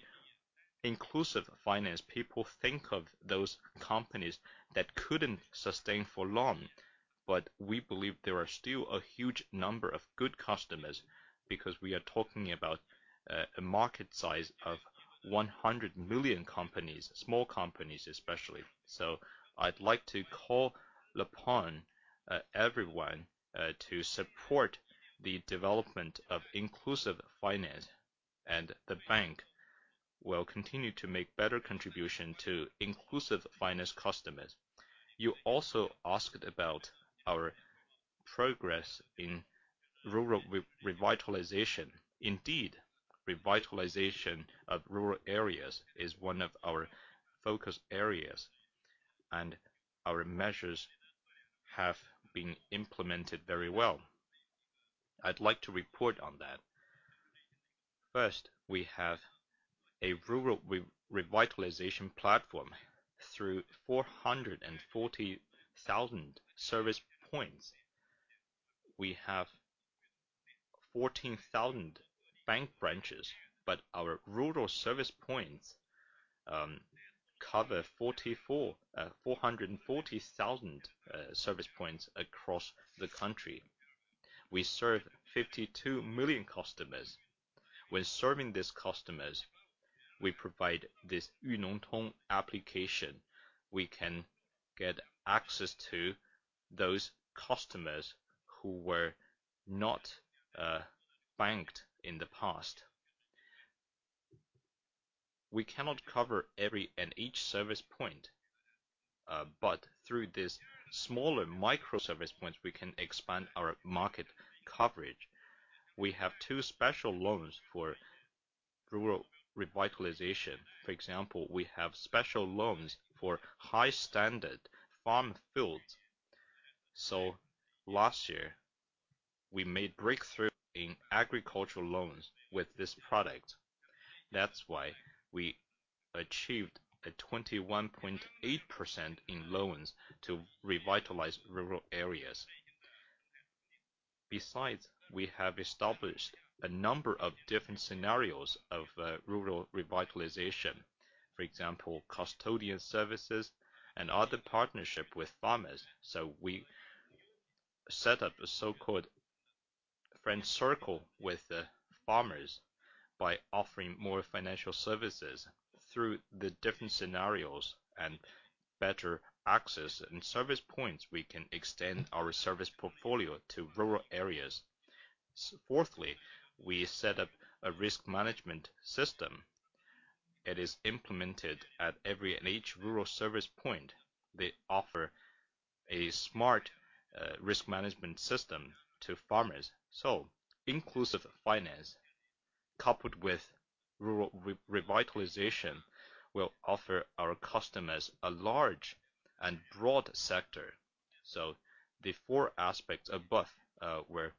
[SPEAKER 6] inclusive finance, people think of those companies that couldn't sustain for long, but we believe there are still a huge number of good customers, because we are talking about a market size of 100 million companies, small companies, especially. I'd like to call upon everyone to support the development of inclusive finance, and the bank will continue to make better contribution to inclusive finance customers. You also asked about our progress in rural revitalization. Indeed, revitalization of rural areas is one of our focus areas, and our measures have been implemented very well. I'd like to report on that. First, we have a rural revitalization platform through 440,000 service points. We have 14,000 bank branches, but our rural service points cover 440,000 service points across the country. We serve 52 million customers. When serving these customers, we provide this Yu Nong Tong application. We can get access to those customers who were not banked in the past. We cannot cover every and each service point, but through these smaller micro service points, we can expand our market coverage. We have two special loans for rural revitalization. For example, we have special loans for high-standard farm fields. Last year, we made breakthrough in agricultural loans with this product. That's why we achieved a 21.8% in loans to revitalize rural areas. Besides, we have established a number of different scenarios of rural revitalization. For example, custodian services and other partnership with farmers. We set up a so-called friend circle with the farmers by offering more financial services. Through the different scenarios and better access and service points, we can extend our service portfolio to rural areas. Fourthly, we set up a risk management system. It is implemented at every and each rural service point. They offer a smart risk management system to farmers. Inclusive finance, coupled with rural revitalization, will offer our customers a large and broad sector. The four aspects above were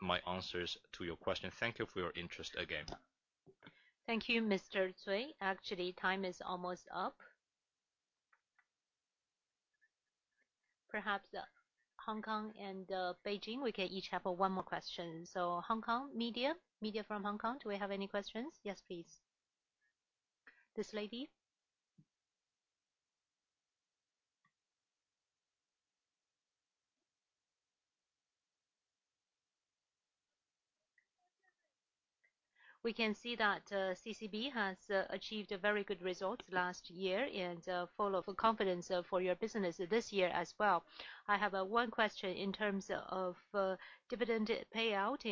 [SPEAKER 6] my answers to your question. Thank you for your interest again.
[SPEAKER 4] Thank you, Mr. Cui. Actually, time is almost up. Perhaps Hong Kong and Beijing, we can each have one more question. Hong Kong media from Hong Kong, do we have any questions? Yes, please. This lady.
[SPEAKER 18] We can see that CCB has achieved very good results last year, full of confidence for your business this year as well. I have one question. In terms of dividend payout,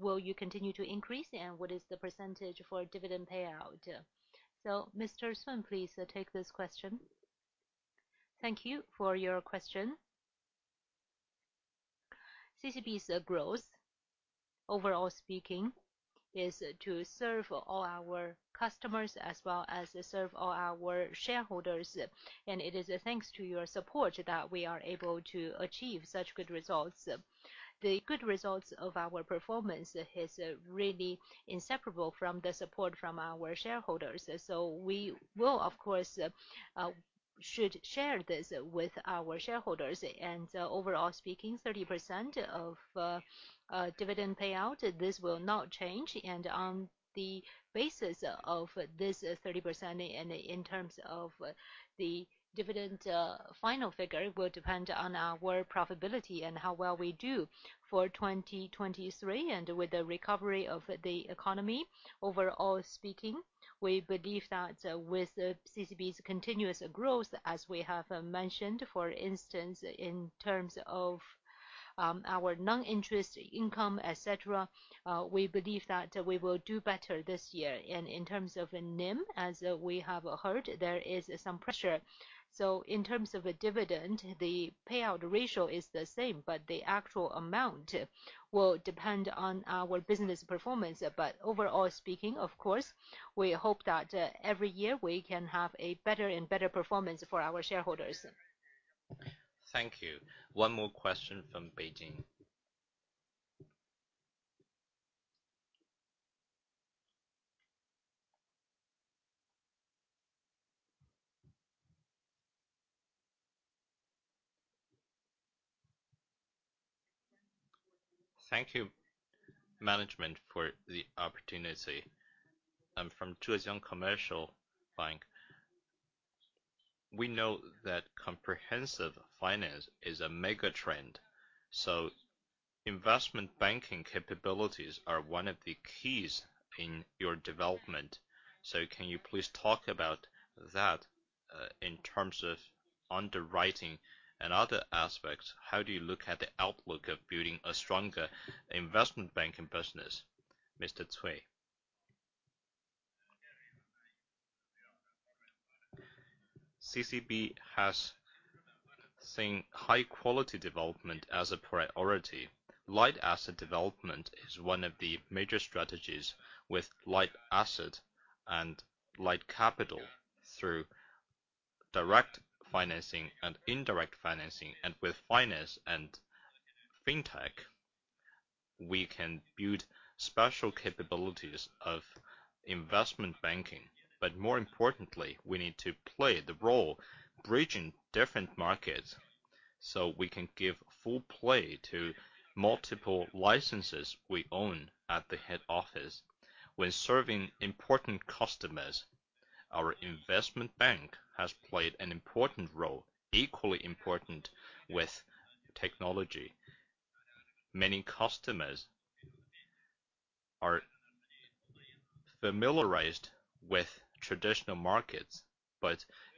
[SPEAKER 18] will you continue to increase? What is the percentage for dividend payout?
[SPEAKER 4] Mr. Sheng, please take this question.
[SPEAKER 19] Thank you for your question. CCB's growth, overall speaking, is to serve all our customers as well as serve all our shareholders. It is thanks to your support that we are able to achieve such good results. The good results of our performance is really inseparable from the support from our shareholders. We will, of course, should share this with our shareholders. Overall speaking, 30% of dividend payout, this will not change. On the basis of this 30% and in terms of the dividend, final figure will depend on our profitability and how well we do for 2023. With the recovery of the economy, overall speaking, we believe that with CCB's continuous growth, as we have mentioned, for instance, in terms of our non-interest income, et cetera, we believe that we will do better this year. In terms of NIM, as we have heard, there is some pressure. In terms of a dividend, the payout ratio is the same, but the actual amount will depend on our business performance. Overall speaking, of course, we hope that every year we can have a better and better performance for our shareholders.
[SPEAKER 1] Thank you. One more question from Beijing.
[SPEAKER 20] Thank you, management, for the opportunity. I'm from Zhuozheng Commercial Bank. We know that comprehensive finance is a mega-trend, investment banking capabilities are one of the keys in your development. Can you please talk about that, in terms of underwriting and other aspects, how do you look at the outlook of building a stronger investment banking business? Mr. Cui.
[SPEAKER 6] CCB has seen high-quality development as a priority. Light asset development is one of the major strategies with light asset and light capital through direct financing and indirect financing, and with finance and Fintech, we can build special capabilities of investment banking. More importantly, we need to play the role bridging different markets, so we can give full play to multiple licenses we own at the head office. When serving important customers, our investment bank has played an important role, equally important with technology. Many customers are familiarized with traditional markets,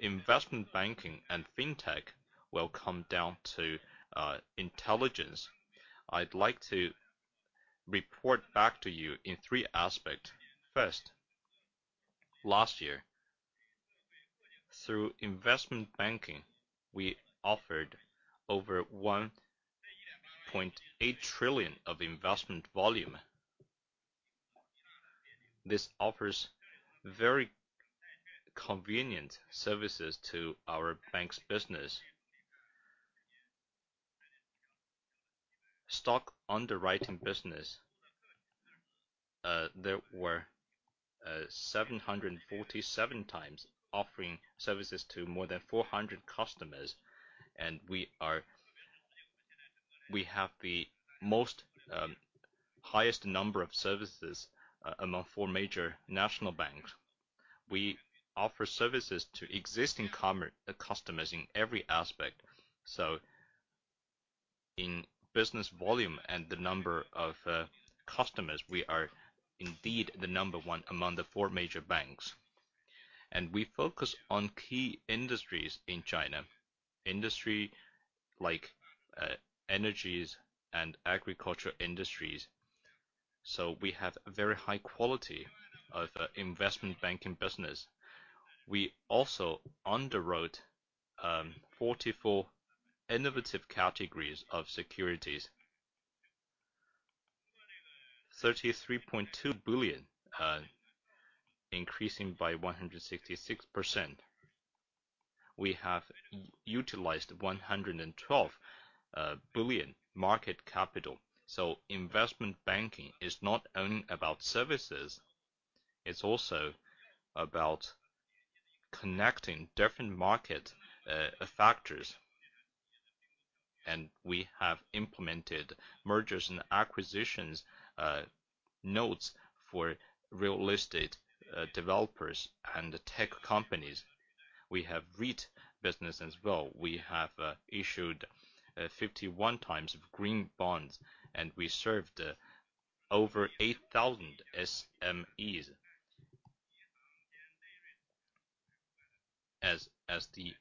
[SPEAKER 6] investment banking and Fintech will come down to intelligence. I'd like to report back to you in three aspects. First, last year, through investment banking, we offered over 1.8 trillion of investment volume. This offers very convenient services to our bank's business. Stock underwriting business, there were 747x offering services to more than 400 customers, and we have the most highest number of services among four major national banks. We offer services to existing customers in every aspect. In business volume and the number of customers, we are indeed the number one among the four major banks. We focus on key industries in China, industry like energy and agriculture industries. We have very high quality of investment banking business. We also underwrote 44 innovative categories of securities, RMB 33.2 billion, increasing by 166%. We have utilized 112 billion market capital. Investment banking is not only about services, it's also about connecting different market factors. We have implemented mergers and acquisitions notes for real estate developers and tech companies. We have REIT business as well. We have issued 51 times of green bonds, and we served over 8,000 SMEs. As the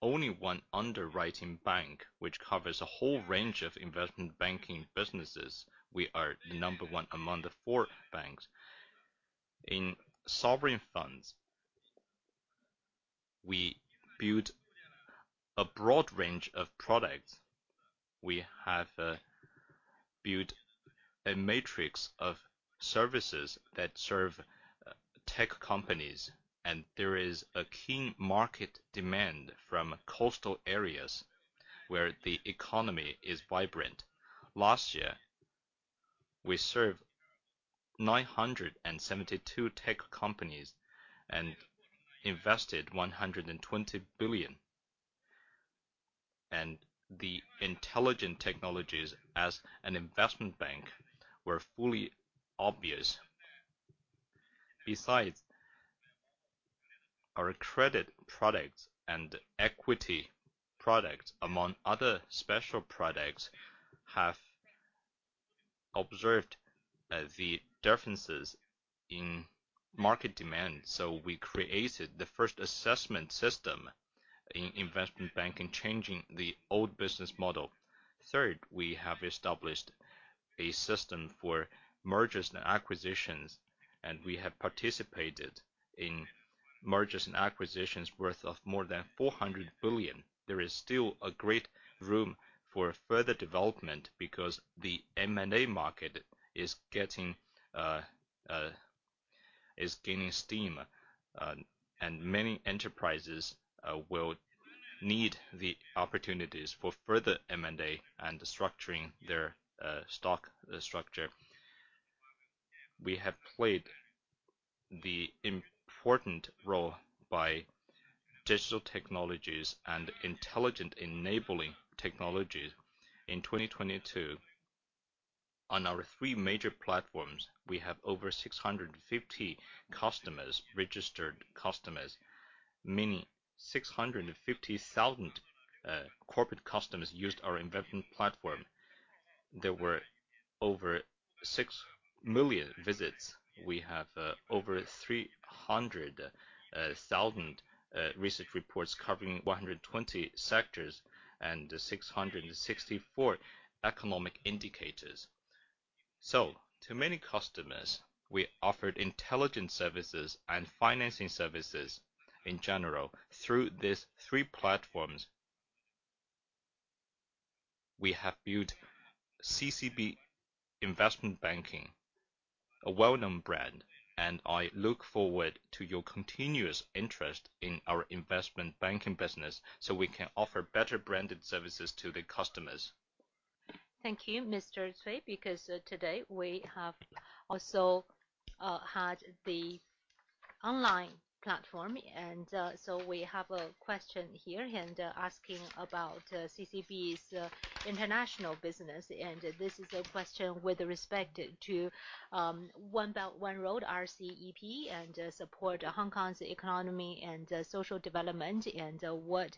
[SPEAKER 6] only one underwriting bank which covers a whole range of investment banking businesses, we are the number one among the four banks. In sovereign funds, we build a broad range of products. We have built a matrix of services that serve tech companies, and there is a keen market demand from coastal areas where the economy is vibrant. Last year, we served 972 tech companies and invested RMB 120 billion. The intelligent technologies as an investment bank were fully obvious. Our credit products and equity products, among other special products, have observed the differences in market demand. We created the first assessment system in investment banking, changing the old business model. Third, we have established a system for mergers and acquisitions. We have participated in mergers and acquisitions worth of more than 400 billion. There is still a great room for further development because the M&A market is getting gaining steam. Many enterprises will need the opportunities for further M&A and structuring their stock structure. We have played the important role by digital technologies and intelligent enabling technologies. In 2022, on our three major platforms, we have over 650 customers, registered customers, meaning 650,000 corporate customers used our investment platform. There were over 6 million visits. We have over 300,000 research reports covering 120 sectors and 664 economic indicators. To many customers, we offered intelligence services and financing services in general through these three platforms. We have built CCB Investment Banking, a well-known brand, and I look forward to your continuous interest in our investment banking business, so we can offer better branded services to the customers.
[SPEAKER 4] Thank you, Mr. Cui, because today we have also had the online platform. We have a question here asking about CCB's international business. This is a question with respect to One Belt, One Road, RCEP, and support Hong Kong's economy and social development, and what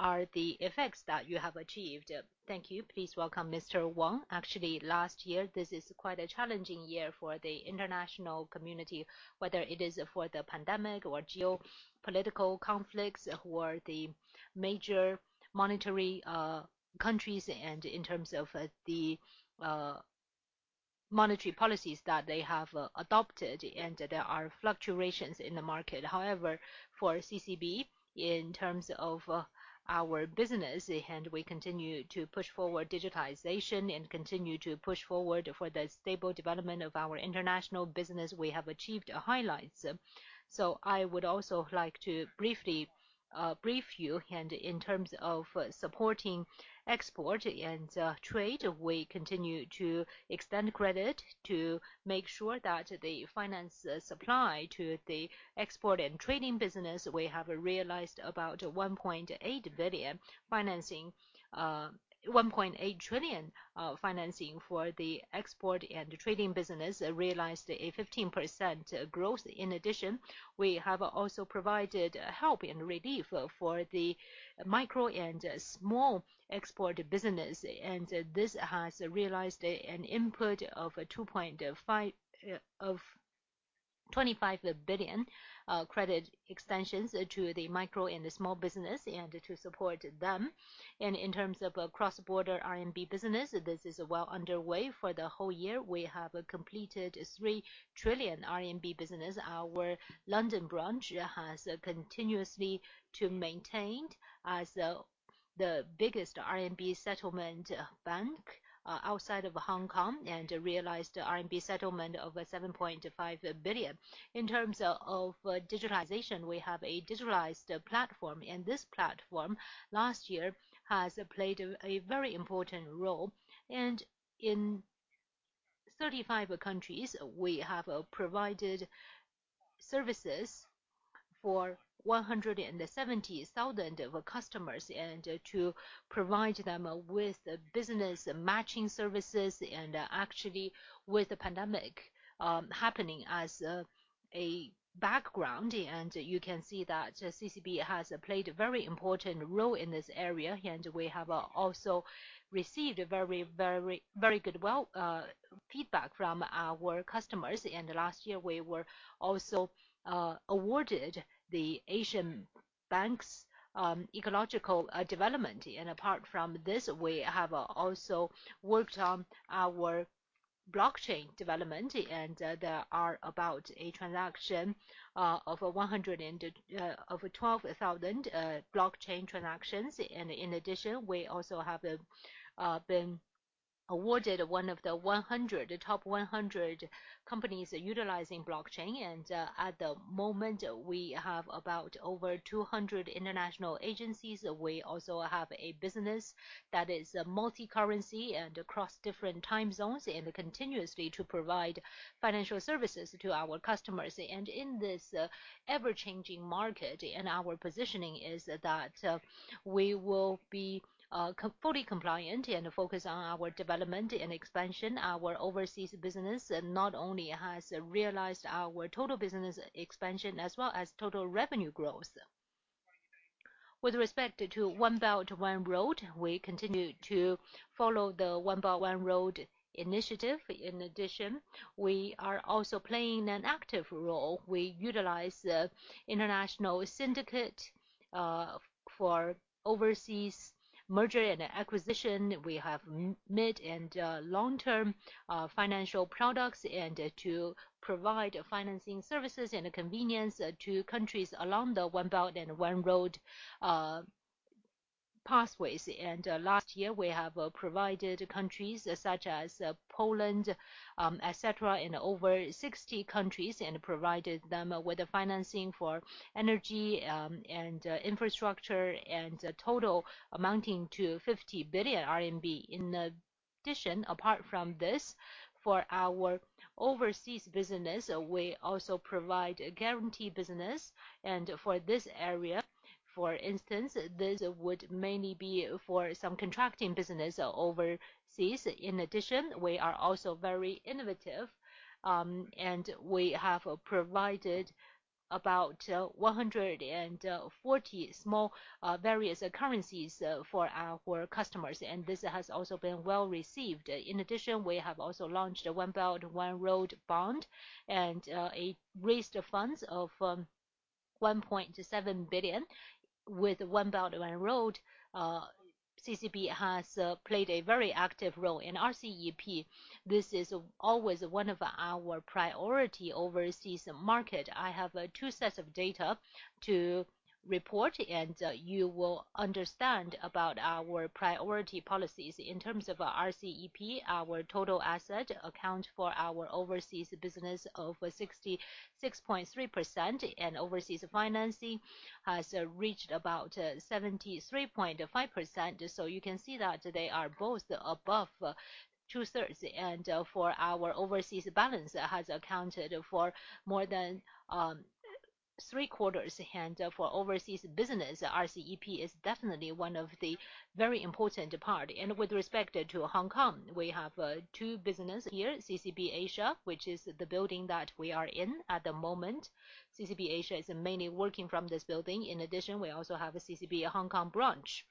[SPEAKER 4] are the effects that you have achieved. Thank you. Please welcome Mr. Wang.
[SPEAKER 14] Actually, last year, this is quite a challenging year for the international community, whether it is for the pandemic or geopolitical conflicts or the major monetary countries in terms of the monetary policies that they have adopted, and there are fluctuations in the market. However, for CCB, in terms of our business and we continue to push forward digitization and continue to push forward for the stable development of our international business, we have achieved highlights. I would also like to briefly brief you and in terms of supporting export and trade, we continue to extend credit to make sure that the finance supply to the export and trading business, we have realized about 1.8 trillion financing for the export and trading business realized a 15% growth. In addition, we have also provided help and relief for the micro and small export business, and this has realized an input of 25 billion credit extensions to the micro and small business and to support them. In terms of cross-border RMB business, this is well underway. For the whole year, we have completed 3 trillion RMB business. Our London branch has continuously maintained as the biggest RMB settlement bank outside of Hong Kong and realized RMB settlement of 7.5 billion. In terms of digitalization, we have a digitalized platform. This platform last year has played a very important role. In 35 countries, we have provided services for 170,000 customers to provide them with business matching services and actually with the pandemic happening as a background. You can see that CCB has played a very important role in this area. We have also received very good well feedback from our customers. Last year, we were also awarded the Asian Banks Ecological Development. Apart from this, we have also worked on our blockchain development, there are about 112,000 blockchain transactions. In addition, we also have been awarded one of the 100, top 100 companies utilizing blockchain. At the moment, we have about over 200 international agencies. We also have a business that is multi-currency and across different time zones and continuously to provide financial services to our customers. In this ever-changing market, our positioning is that we will be fully compliant and focus on our development and expansion. Our overseas business not only has realized our total business expansion as well as total revenue growth. With respect to One Belt, One Road, we continue to follow the One Belt, One Road initiative. We are also playing an active role. We utilize the international syndicate for overseas Merger and Acquisition. We have mid and long-term financial products and to provide financing services and convenience to countries along the One Belt and One Road pathways. Last year, we have provided countries such as Poland, et cetera, in over 60 countries and provided them with the financing for energy and infrastructure and total amounting to 50 billion RMB. Apart from this, for our overseas business, we also provide guarantee business. For this area, for instance, this would mainly be for some contracting business overseas. We are also very innovative, and we have provided about 140 small various currencies for our customers, and this has also been well-received. In addition, we have also launched a One Belt, One Road bond, and it raised the funds of 1.7 billion. With One Belt, One Road, CCB has played a very active role in RCEP. This is always one of our priority overseas market. I have two sets of data to report, you will understand about our priority policies. In terms of RCEP, our total asset account for our overseas business of 66.3%, overseas financing has reached about 73.5%. You can see that they are both above 2/3. For our overseas balance has accounted for more than 3/4. For overseas business, RCEP is definitely one of the very important part. With respect to Hong Kong, we have two business here, CCB (Asia), which is the building that we are in at the moment. CCB (Asia) is mainly working from this building. In addition, we also have a CCB Hong Kong branch.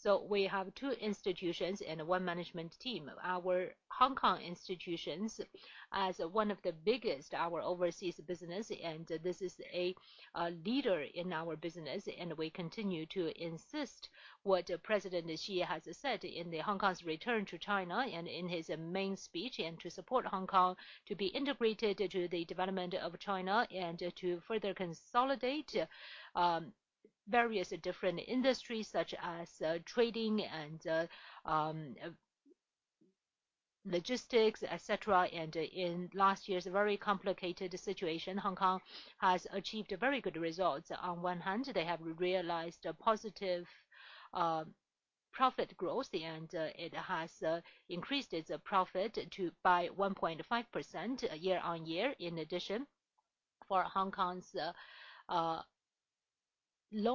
[SPEAKER 14] So we have two institutions and one management team. Our Hong Kong institutions, as one of the biggest our overseas business, and this is a leader in our business, and we continue to insist what President Xi has said in the Hong Kong's return to China and in his main speech, and to support Hong Kong to be integrated into the development of China and to further consolidate various different industries such as trading and logistics, et cetera. In last year's very complicated situation, Hong Kong has achieved very good results. On one hand, they have realized a positive profit growth, and it has increased its profit to, by 1.5% year-on-year. In addition, for Hong Kong's loan business, and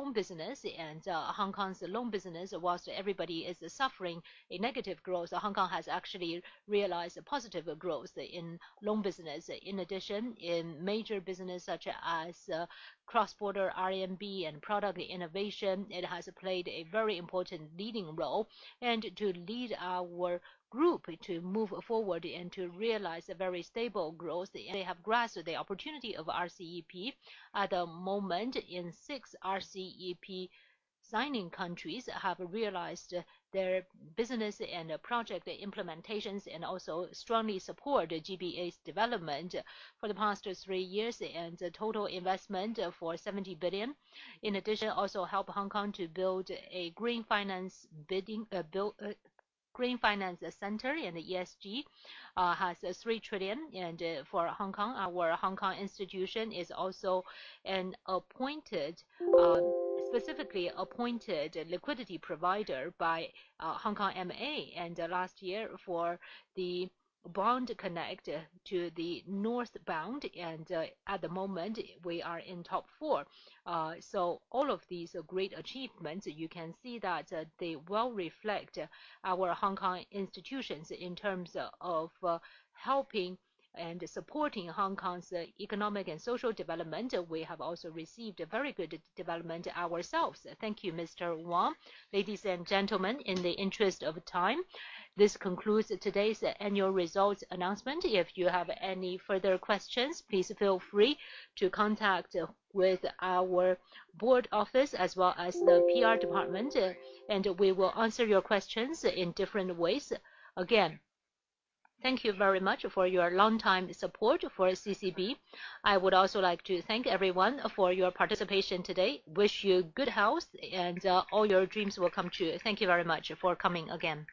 [SPEAKER 14] Hong Kong's loan business, whilst everybody is suffering a negative growth, Hong Kong has actually realized a positive growth in loan business. In addition, in major business such as cross-border RMB and product innovation, it has played a very important leading role. To lead our group to move forward and to realize a very stable growth, they have grasped the opportunity of RCEP. At the moment, in six RCEP signing countries have realized their business and project implementations and also strongly support the GBA's development for the past three years and the total investment for 70 billion. Also help Hong Kong to build a green finance center, and ESG has 3 trillion. For Hong Kong, our Hong Kong institution is also an appointed, specifically appointed liquidity provider by HKMA. Last year, for the Bond Connect to the northbound, and at the moment we are in top four. All of these are great achievements. You can see that they well reflect our Hong Kong institutions in terms of helping and supporting Hong Kong's economic and social development. We have also received a very good development ourselves.
[SPEAKER 4] Thank you, Mr. Wang. Ladies and gentlemen, in the interest of time, this concludes today's annual results announcement. If you have any further questions, please feel free to contact with our board office as well as the PR department, we will answer your questions in different ways. Again, thank you very much for your longtime support for CCB. I would also like to thank everyone for your participation today. Wish you good health, and all your dreams will come true. Thank you very much for coming again.